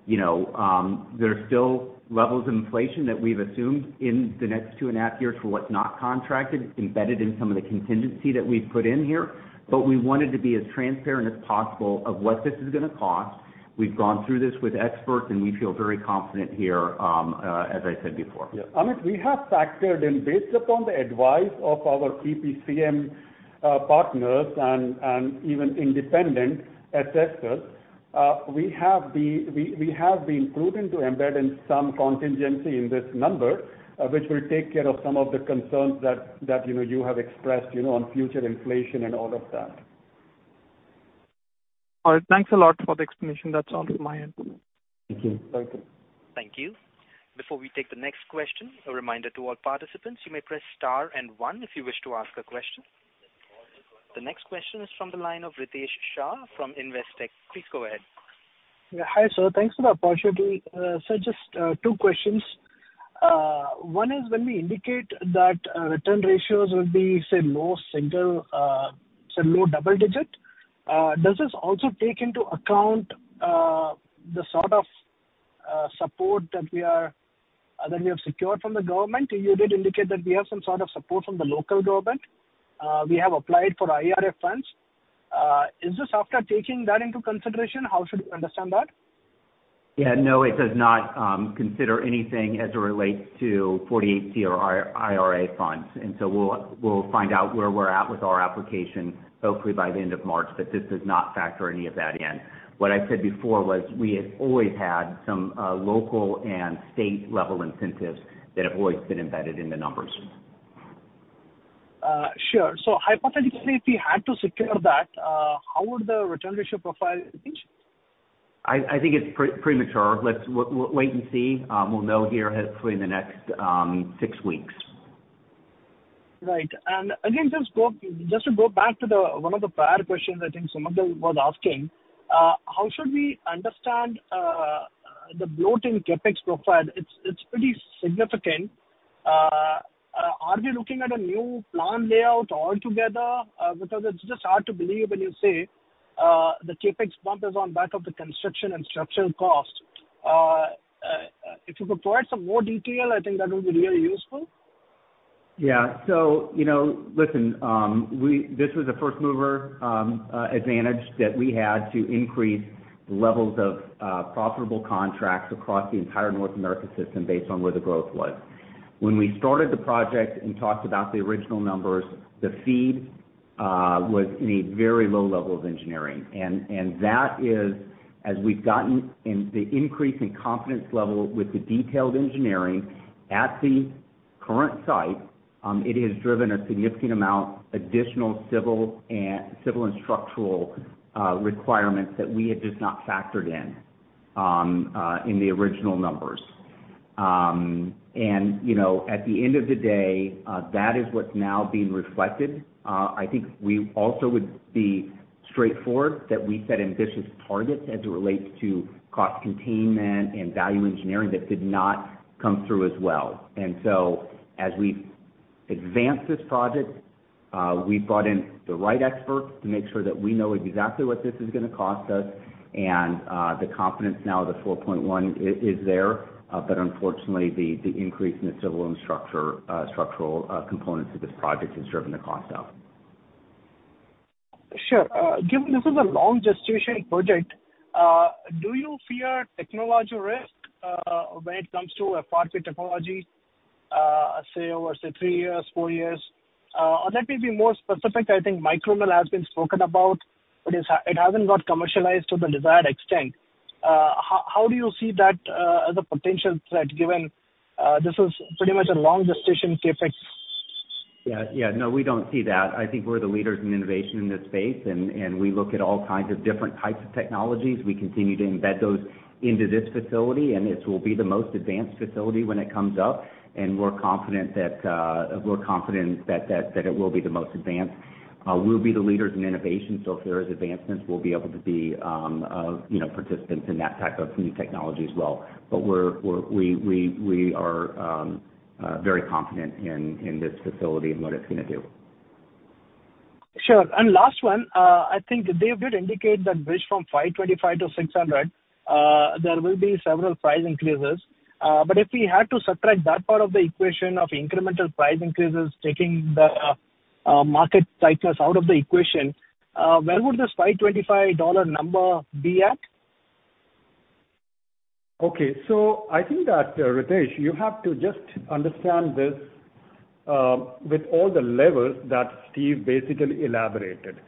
You know, there are still levels of inflation that we've assumed in the next two and a half years for what's not contracted, embedded in some of the contingency that we've put in here. We wanted to be as transparent as possible of what this is gonna cost. We've gone through this with experts, and we feel very confident here, as I said before. Yeah, Amit, we have factored in, based upon the advice of our PPCM partners and even independent assessors, we have been proven to embed in some contingency in this number, which will take care of some of the concerns that, you know, you have expressed, you know, on future inflation and all of that. All right, thanks a lot for the explanation. That's all from my end. Thank you. Thank you. Thank you. Before we take the next question, a reminder to all participants, you may press star and one if you wish to ask a question. The next question is from the line of Ritesh Shah from Investec. Please go ahead. Yeah. Hi, sir. Thanks for the opportunity. Just two questions. One is, when we indicate that return ratios will be, say, low single, say, low double digit, does this also take into account the sort of support that we have secured from the government? You did indicate that we have some sort of support from the local government. We have applied for IRA funds. Is this after taking that into consideration? How should we understand that? Yeah, no, it does not consider anything as it relates to 48C or IRA funds. We'll find out where we're at with our application, hopefully by the end of March, but this does not factor any of that in. What I said before was we have always had some local and state level incentives that have always been embedded in the numbers. Sure. Hypothetically, if we had to secure that, how would the return ratio profile change? I think it's premature. Let's wait and see. We'll know here hopefully in the next six weeks. Right. Again, just to go back to the one of the prior questions, I think Sumangal was asking, how should we understand the bloating CapEx profile? It's pretty significant. Are we looking at a new plant layout altogether? Because it's just hard to believe when you say the CapEx bump is on back of the construction and structural cost. If you could provide some more detail, I think that would be really useful. You know, this was a first mover advantage that we had to increase the levels of profitable contracts across the entire North America system based on where the growth was. When we started the project and talked about the original numbers, the FEED was in a very low level of engineering. That is, as we've gotten in the increase in confidence level with the detailed engineering at the current site, it has driven a significant amount, additional civil and structural requirements that we had just not factored in in the original numbers. You know, at the end of the day, that is what's now being reflected. I think we also would be straightforward that we set ambitious targets as it relates to cost containment and value engineering, that did not come through as well. As we've advanced this project, we brought in the right experts to make sure that we know exactly what this is gonna cost us, and the confidence now, the $4.1 is there. The increase in the civil and structure, structural components of this project has driven the cost up. Sure. Given this is a long gestation project, do you fear technological risk when it comes to FRB Tecnologie, say, over, say, three years, four years? Let me be more specific, I think microbial has been spoken about, but it's, it hasn't got commercialized to the desired extent. How, how do you see that as a potential threat, given this is pretty much a long gestation CapEx? Yeah, yeah. No, we don't see that. I think we're the leaders in innovation in this space, and we look at all kinds of different types of technologies. We continue to embed those into this facility, and this will be the most advanced facility when it comes up. We're confident that it will be the most advanced. We'll be the leaders in innovation, so if there is advancements, we'll be able to be, you know, participants in that type of new technology as well. We are very confident in this facility and what it's gonna do. Sure. Last one, I think they did indicate that range from $525-$600, there will be several price increases. If we had to subtract that part of the equation of incremental price increases, taking the market cycles out of the equation, where would this $525 number be at? Okay. I think that Ritesh, you have to just understand this with all the levers that Steve basically elaborated.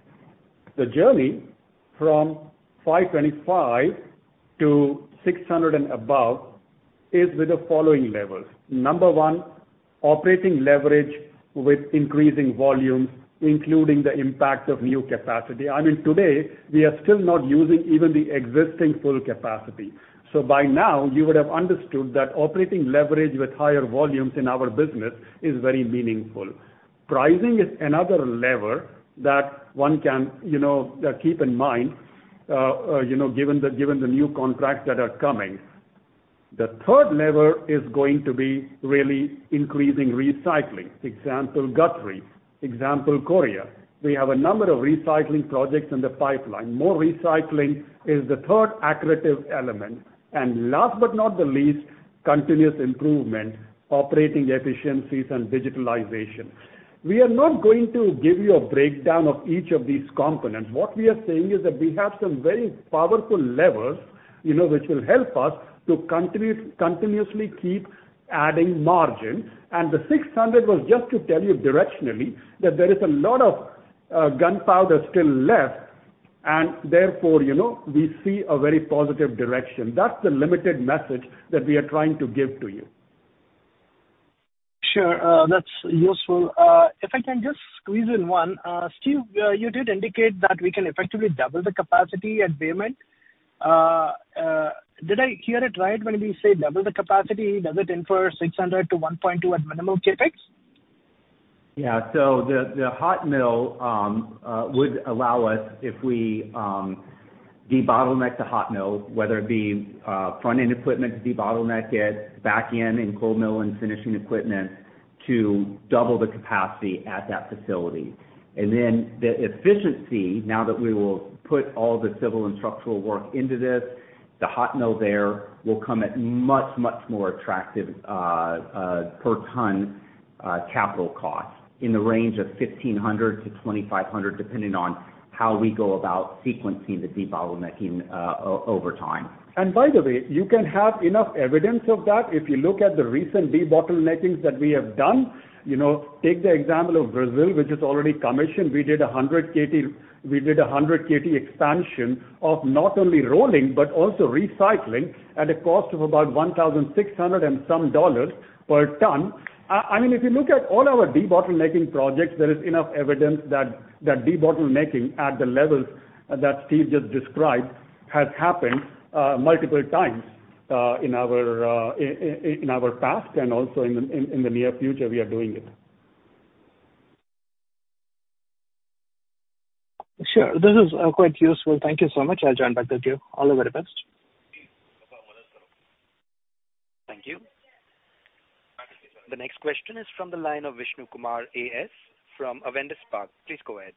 The journey from $525-$600 and above is with the following levels. Number one, operating leverage with increasing volumes, including the impact of new capacity. I mean, today, we are still not using even the existing full capacity. By now, you would have understood that operating leverage with higher volumes in our business is very meaningful. Pricing is another lever that one can, you know, keep in mind, you know, given the, given the new contracts that are coming. The third lever is going to be really increasing recycling. Example, Guthrie. Example, Korea. We have a number of recycling projects in the pipeline. More recycling is the third accretive element. Last but not the least, continuous improvement, operating efficiencies and digitalization. We are not going to give you a breakdown of each of these components. What we are saying is that we have some very powerful levers, you know, which will help us to continuously keep adding margin. The 600 was just to tell you directionally that there is a lot of gunpowder still left, and therefore, you know, we see a very positive direction. That's the limited message that we are trying to give to you. Sure, that's useful. If I can just squeeze in one. Steve, you did indicate that we can effectively double the capacity at Beaumont. Did I hear it right when we say double the capacity? Does it infer 600 to 1.2 at minimum CapEx? Yeah. The hot mill would allow us, if we debottleneck the hot mill, whether it be front-end equipment debottlenecked, back-end in cold mill and finishing equipment, to double the capacity at that facility. The efficiency, now that we will put all the civil and structural work into this, the hot mill there will come at much, much more attractive per ton capital cost in the range of $1,500-$2,500, depending on how we go about sequencing the debottlenecking over time. By the way, you can have enough evidence of that if you look at the recent debottleneckings that we have done. You know, take the example of Brazil, which is already commissioned. We did a 100kt expansion of not only rolling, but also recycling at a cost of about $1,600 and some dollars per ton. I mean, if you look at all our debottlenecking projects, there is enough evidence that debottlenecking at the levels that Steve just described, has happened multiple times in our past and also in the near future, we are doing it. Sure. This is, quite useful. Thank you so much. I'll join back with you. All the very best. Thank you. The next question is from the line of Vishnu Kumar AS from Avendus Spark. Please go ahead.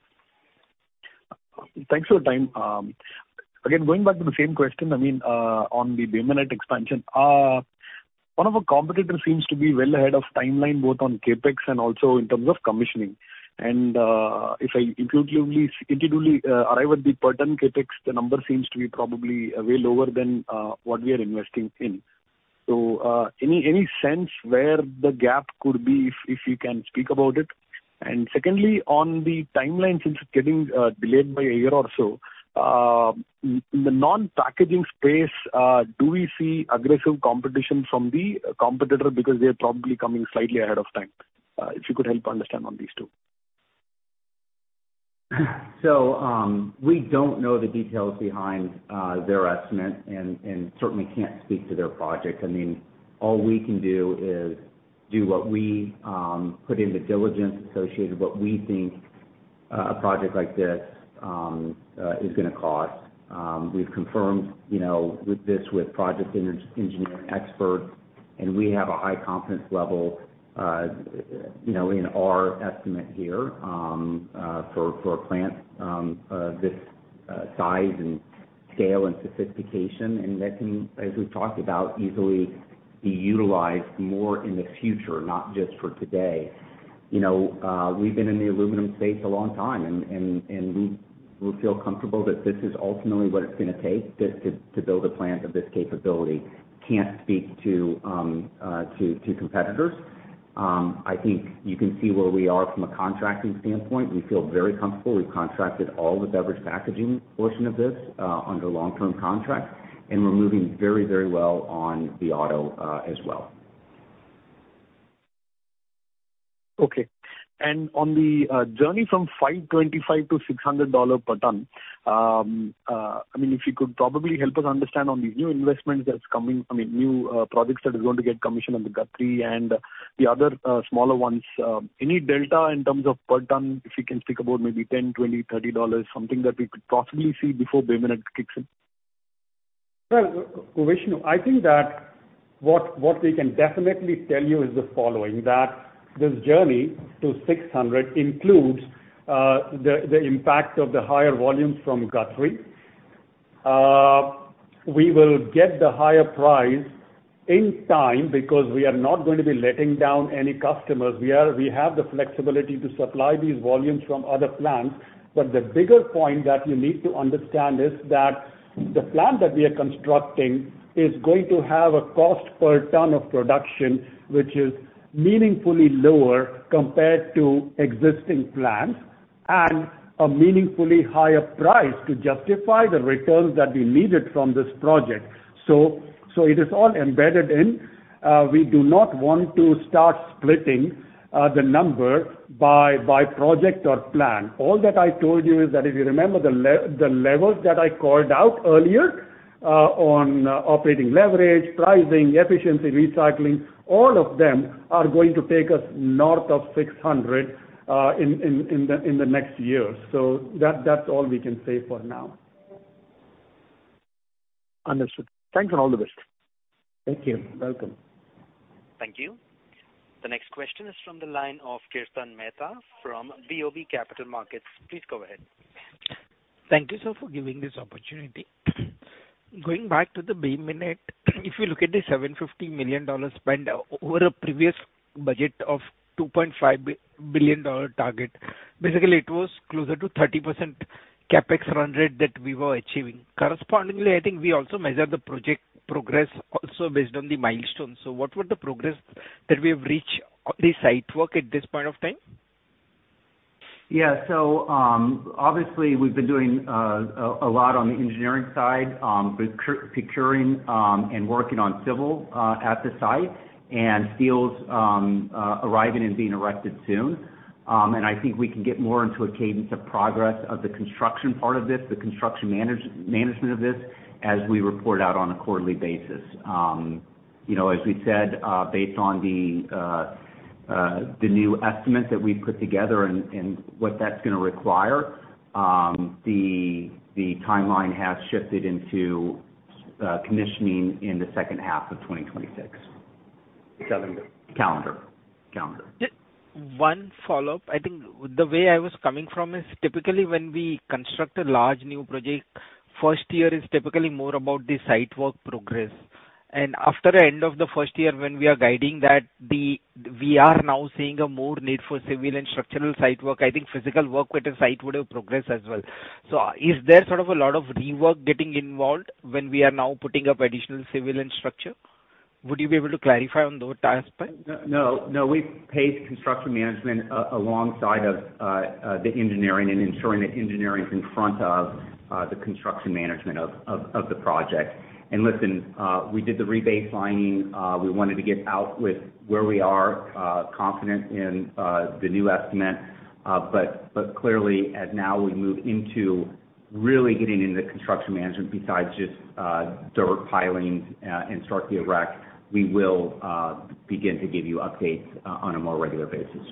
Thanks for the time. Again, going back to the same question, I mean, on the Beaumont expansion. One of our competitor seems to be well ahead of timeline, both on CapEx and also in terms of commissioning. If I intuitively arrive at the per ton CapEx, the number seems to be probably way lower than what we are investing in. Any, any sense where the gap could be, if you can speak about it? Secondly, on the timeline, since it's getting delayed by a year or so, in the non-packaging space, do we see aggressive competition from the competitor? They are probably coming slightly ahead of time. If you could help understand on these two. We don't know the details behind their estimate and certainly can't speak to their project. I mean, all we can do is do what we put in the diligence associated, what we think a project like this is gonna cost. We've confirmed, you know, with this, with project engineering experts, and we have a high confidence level, you know, in our estimate here, for a plant of this size and scale and sophistication. That can, as we've talked about, easily be utilized more in the future, not just for today. You know, we've been in the aluminum space a long time and we feel comfortable that this is ultimately what it's gonna take to build a plant of this capability. Can't speak to competitors. I think you can see where we are from a contracting standpoint. We feel very comfortable. We've contracted all the beverage packaging portion of this under long-term contracts, and we're moving very, very well on the auto as well. Okay. on the journey from $525-$600 per ton, I mean, if you could probably help us understand on the new investments that's coming, I mean, new projects that are going to get commissioned on the Guthrie and the other smaller ones. Any delta in terms of per ton, if you can speak about maybe $10, $20, $30, something that we could possibly see before Beaumont kicks in? Well, Vishnu, I think that what we can definitely tell you is the following: that this journey to $600 includes the impact of the higher volumes from Guthrie. We will get the higher price in time, because we are not going to be letting down any customers. We have the flexibility to supply these volumes from other plants. The bigger point that you need to understand is that the plant that we are constructing is going to have a cost per ton of production, which is meaningfully lower compared to existing plants, and a meaningfully higher price to justify the returns that we needed from this project. So it is all embedded in, we do not want to start splitting the number by project or plant. All that I told you is that if you remember the levels that I called out earlier, on operating leverage, pricing, efficiency, recycling, all of them are going to take us north of $600 in the next year. That, that's all we can say for now. Understood. Thanks, and all the best. Thank you. Welcome. Thank you. The next question is from the line of Kirtan Mehta from BOB Capital Markets. Please go ahead. Thank you, sir, for giving me this opportunity. Going back to Bay Minette, if you look at the $750 million spent over a previous budget of $2.5 billion target, basically, it was closer to 30% CapEx run rate that we were achieving. I think we also measured the project progress also based on the milestones. What would the progress that we have reached on the site work at this point of time? Obviously, we've been doing a lot on the engineering side, procuring, and working on civil at the site. Steels arriving and being erected soon. I think we can get more into a cadence of progress of the construction part of this, the construction management of this, as we report out on a quarterly basis. You know, as we said, based on the new estimate that we've put together and what that's gonna require, the timeline has shifted into commissioning in the second half of 2026. Calendar? Calendar. Calendar. Just one follow-up. I think the way I was coming from is, typically when we construct a large new project, first year is typically more about the site work progress. After the end of the first year, when we are guiding that, we are now seeing a more need for civil and structural site work. I think physical work with the site would have progressed as well. Is there sort of a lot of rework getting involved when we are now putting up additional civil and structure? Would you be able to clarify on those aspects? No, no, we've paced construction management alongside of the engineering and ensuring that engineering is in front of the construction management of the project. Listen, we did the rebaselining. We wanted to get out with where we are confident in the new estimate. Clearly, as now we move into really getting into construction management, besides just dirt piling and structure erect, we will begin to give you updates on a more regular basis.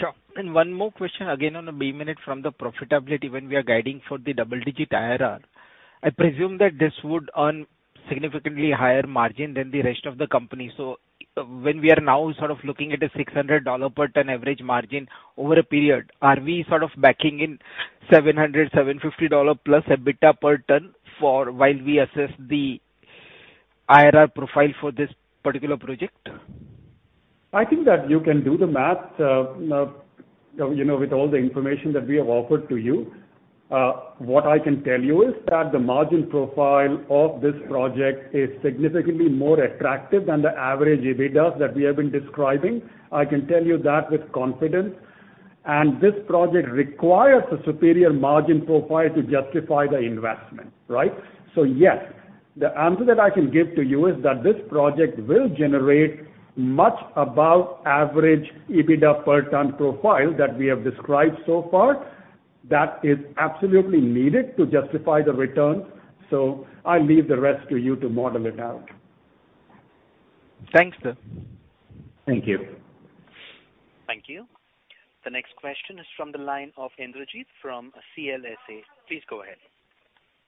Sure. One more question, again, on the Bay Minette, from the profitability when we are guiding for the double-digit IRR. I presume that this would earn significantly higher margin than the rest of the company. When we are now sort of looking at a $600 per ton average margin over a period, are we sort of backing in $700-$750+ EBITDA per ton while we assess the IRR profile for this particular project? I think that you can do the math, you know, with all the information that we have offered to you. What I can tell you is that the margin profile of this project is significantly more attractive than the average EBITDA that we have been describing. I can tell you that with confidence. This project requires a superior margin profile to justify the investment, right? Yes, the answer that I can give to you is that this project will generate much above average EBITDA per ton profile that we have described so far. That is absolutely needed to justify the return. I leave the rest to you to model it out. Thanks, sir. Thank you. Thank you. The next question is from the line of Indrajit from CLSA. Please go ahead.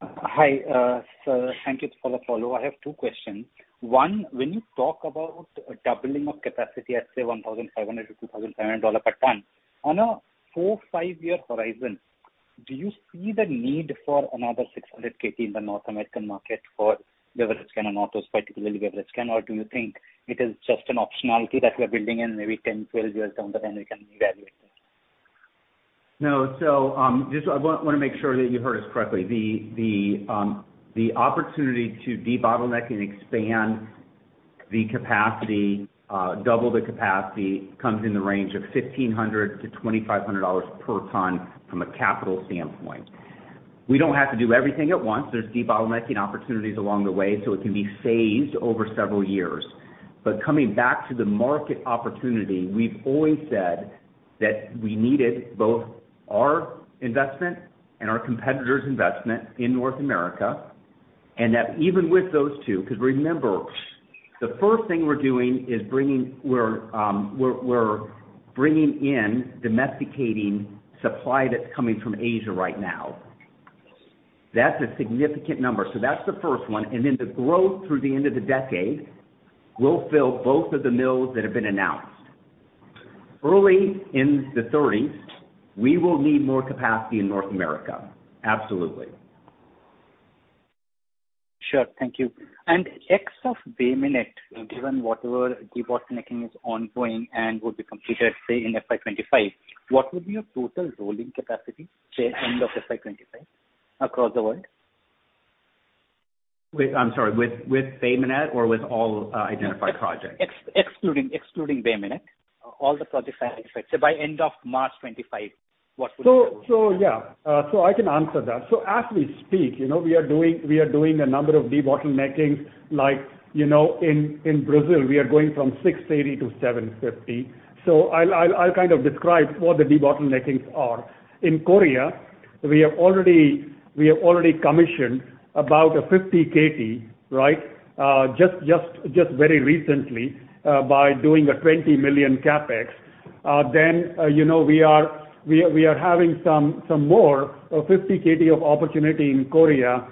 Hi, sir, thank you for the follow-up. I have two questions. One, when you talk about doubling of capacity at, say, $1,500-$2,700 per ton, on a four- to five-year horizon, do you see the need for another 600kt in the North American market for Weyerhaeuser and others, particularly Weyerhaeuser? Do you think it is just an optionality that we're building in maybe 10-12 years down, but then we can evaluate it? No. Just I want to make sure that you heard us correctly. The opportunity to debottleneck and expand the capacity, double the capacity, comes in the range of $1,500-$2,500 per ton from a capital standpoint. We don't have to do everything at once. There's debottlenecking opportunities along the way, so it can be phased over several years. Coming back to the market opportunity, we've always said that we needed both our investment and our competitors' investment in North America, and that even with those two... Remember, the first thing we're doing is bringing in domesticating supply that's coming from Asia right now. That's a significant number. That's the first one. The growth through the end of the decade will fill both of the mills that have been announced. Early in the thirties, we will need more capacity in North America, absolutely. Sure, thank you. X of Bay Minette, given whatever debottlenecking is ongoing and will be completed, say, in FY 2025, what would be your total rolling capacity, say, end of FY 2025, across the world? With Bay Minette or with all identified projects? Excluding Bay Minette, all the projects, so by end of March 2025, what would be. Yeah, so I can answer that. As we speak, you know, we are doing a number of debottlenecking, like, you know, in Brazil, we are going from 680 to 750. I'll kind of describe what the debottleneckings are. In Korea, we have already commissioned about a 50kt, right? Just very recently, by doing a $20 million CapEx. You know, we are having some more 50kt of opportunity in Korea,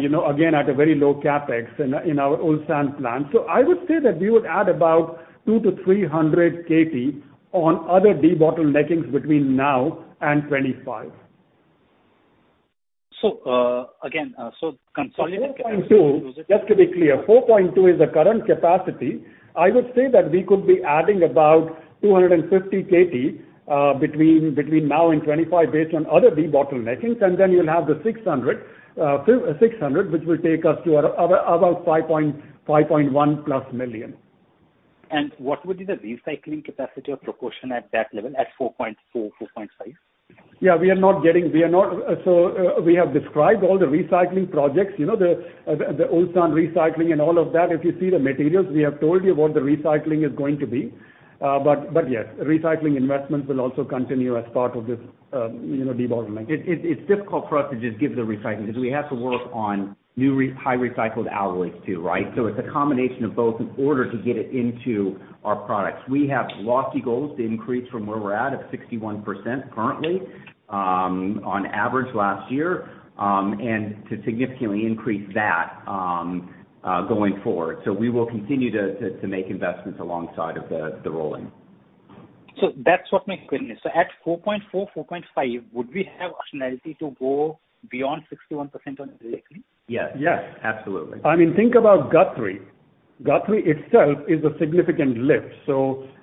you know, again, at a very low CapEx in our Ulsan plant. I would say that we would add about 200kt-300kt on other debottleneckings between now and 2025. again, so 4.2, just to be clear, 4.2 is the current capacity. I would say that we could be adding about 250kt between now and 2025, based on other debottleneckings, and then you'll have the 600, which will take us to our about 5.1+ million. What would be the recycling capacity or proportion at that level, at 4.4, 4.5? Yeah, we are not. We have described all the recycling projects, you know, the Ulsan recycling and all of that. If you see the materials, we have told you what the recycling is going to be. But yes, recycling investments will also continue as part of this, you know, debottlenecking. It's difficult for us to just give the recycling, because we have to work on new high recycled alloys too, right? It's a combination of both in order to get it into our products. We have lofty goals to increase from where we're at of 61% currently, on average last year, and to significantly increase that going forward. We will continue to make investments alongside of the rolling. That's what my question is. At 4.4, 4.5, would we have optionality to go beyond 61% on recycling? Yes. Yes, absolutely. I mean, think about Guthrie. Guthrie itself is a significant lift.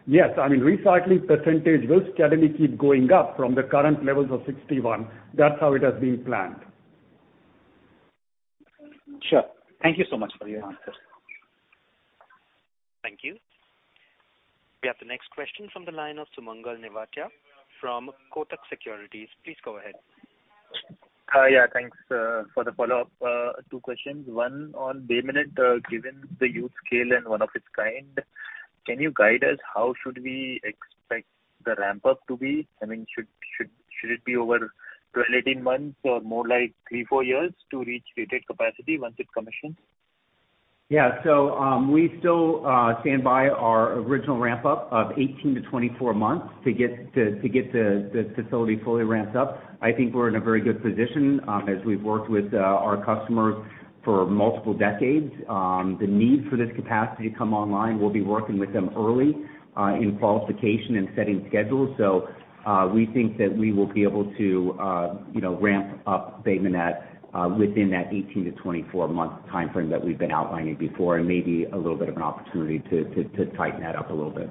Yes, I mean, recycling percentage will steadily keep going up from the current levels of 61%. That's how it has been planned. Sure. Thank you so much for your answers. Thank you. We have the next question from the line of Sumangal Nevatia from Kotak Securities. Please go ahead. Hi, yeah, thanks for the follow-up. Two questions. One, on Bay Minette, given the huge scale and one of its kind, can you guide us, how should we expect the ramp-up to be? I mean, should it be over 12-18 months or more like three-four years to reach rated capacity once it's commissioned? We still stand by our original ramp-up of 18-to 24 months to get the facility fully ramped up. I think we're in a very good position, as we've worked with our customers for multiple decades. The need for this capacity to come online, we'll be working with them early in qualification and setting schedules. We think that we will be able to, you know, ramp up Bay Minette within that 18-24 month timeframe that we've been outlining before, and maybe a little bit of an opportunity to tighten that up a little bit.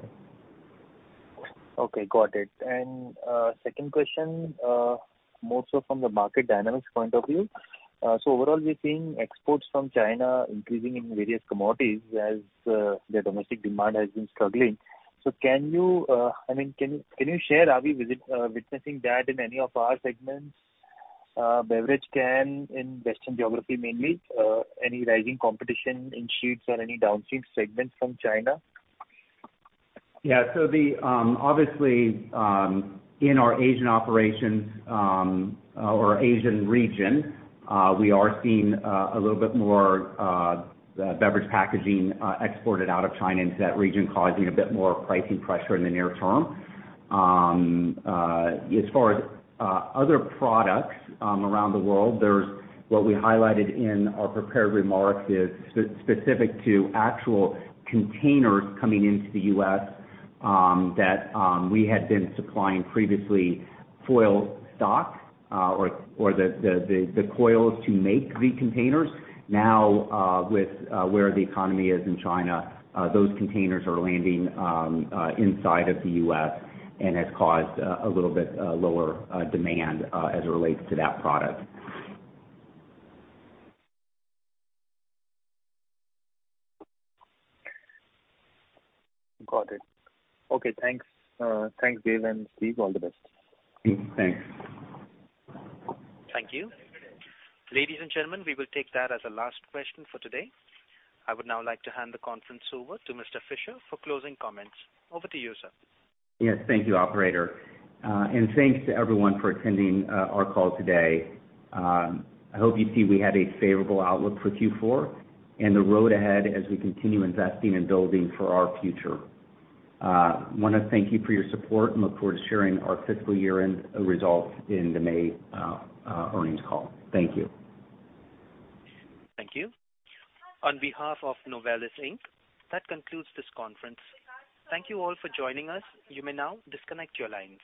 Okay, got it. Second question, more so from the market dynamics point of view. Overall, we're seeing exports from China increasing in various commodities as their domestic demand has been struggling. Can you, I mean, can you share, are we witnessing that in any of our segments, beverage can in Western geography, mainly, any rising competition in sheets or any downstream segments from China? Obviously, in our Asian operations, or Asian region, we are seeing a little bit more beverage packaging exported out of China into that region, causing a bit more pricing pressure in the near term. As far as other products around the world, there's what we highlighted in our prepared remarks is specific to actual containers coming into the U.S., that we had been supplying previously foil stock, or the coils to make the containers. With where the economy is in China, those containers are landing inside of the U.S., and has caused a little bit lower demand as it relates to that product. Got it. Okay, thanks. Thanks, Dev Ahuja and Steve Fisher. All the best. Thanks. Thank you. Ladies and gentlemen, we will take that as a last question for today. I would now like to hand the conference over to Mr. Fisher for closing comments. Over to you, sir. Yes, thank you, operator. thanks to everyone for attending our call today. I hope you see we had a favorable outlook for Q4 and the road ahead as we continue investing and building for our future. I wanna thank you for your support and look forward to sharing our fiscal year-end results in the May earnings call. Thank you. Thank you. On behalf of Novelis Inc., that concludes this conference. Thank you all for joining us. You may now disconnect your line.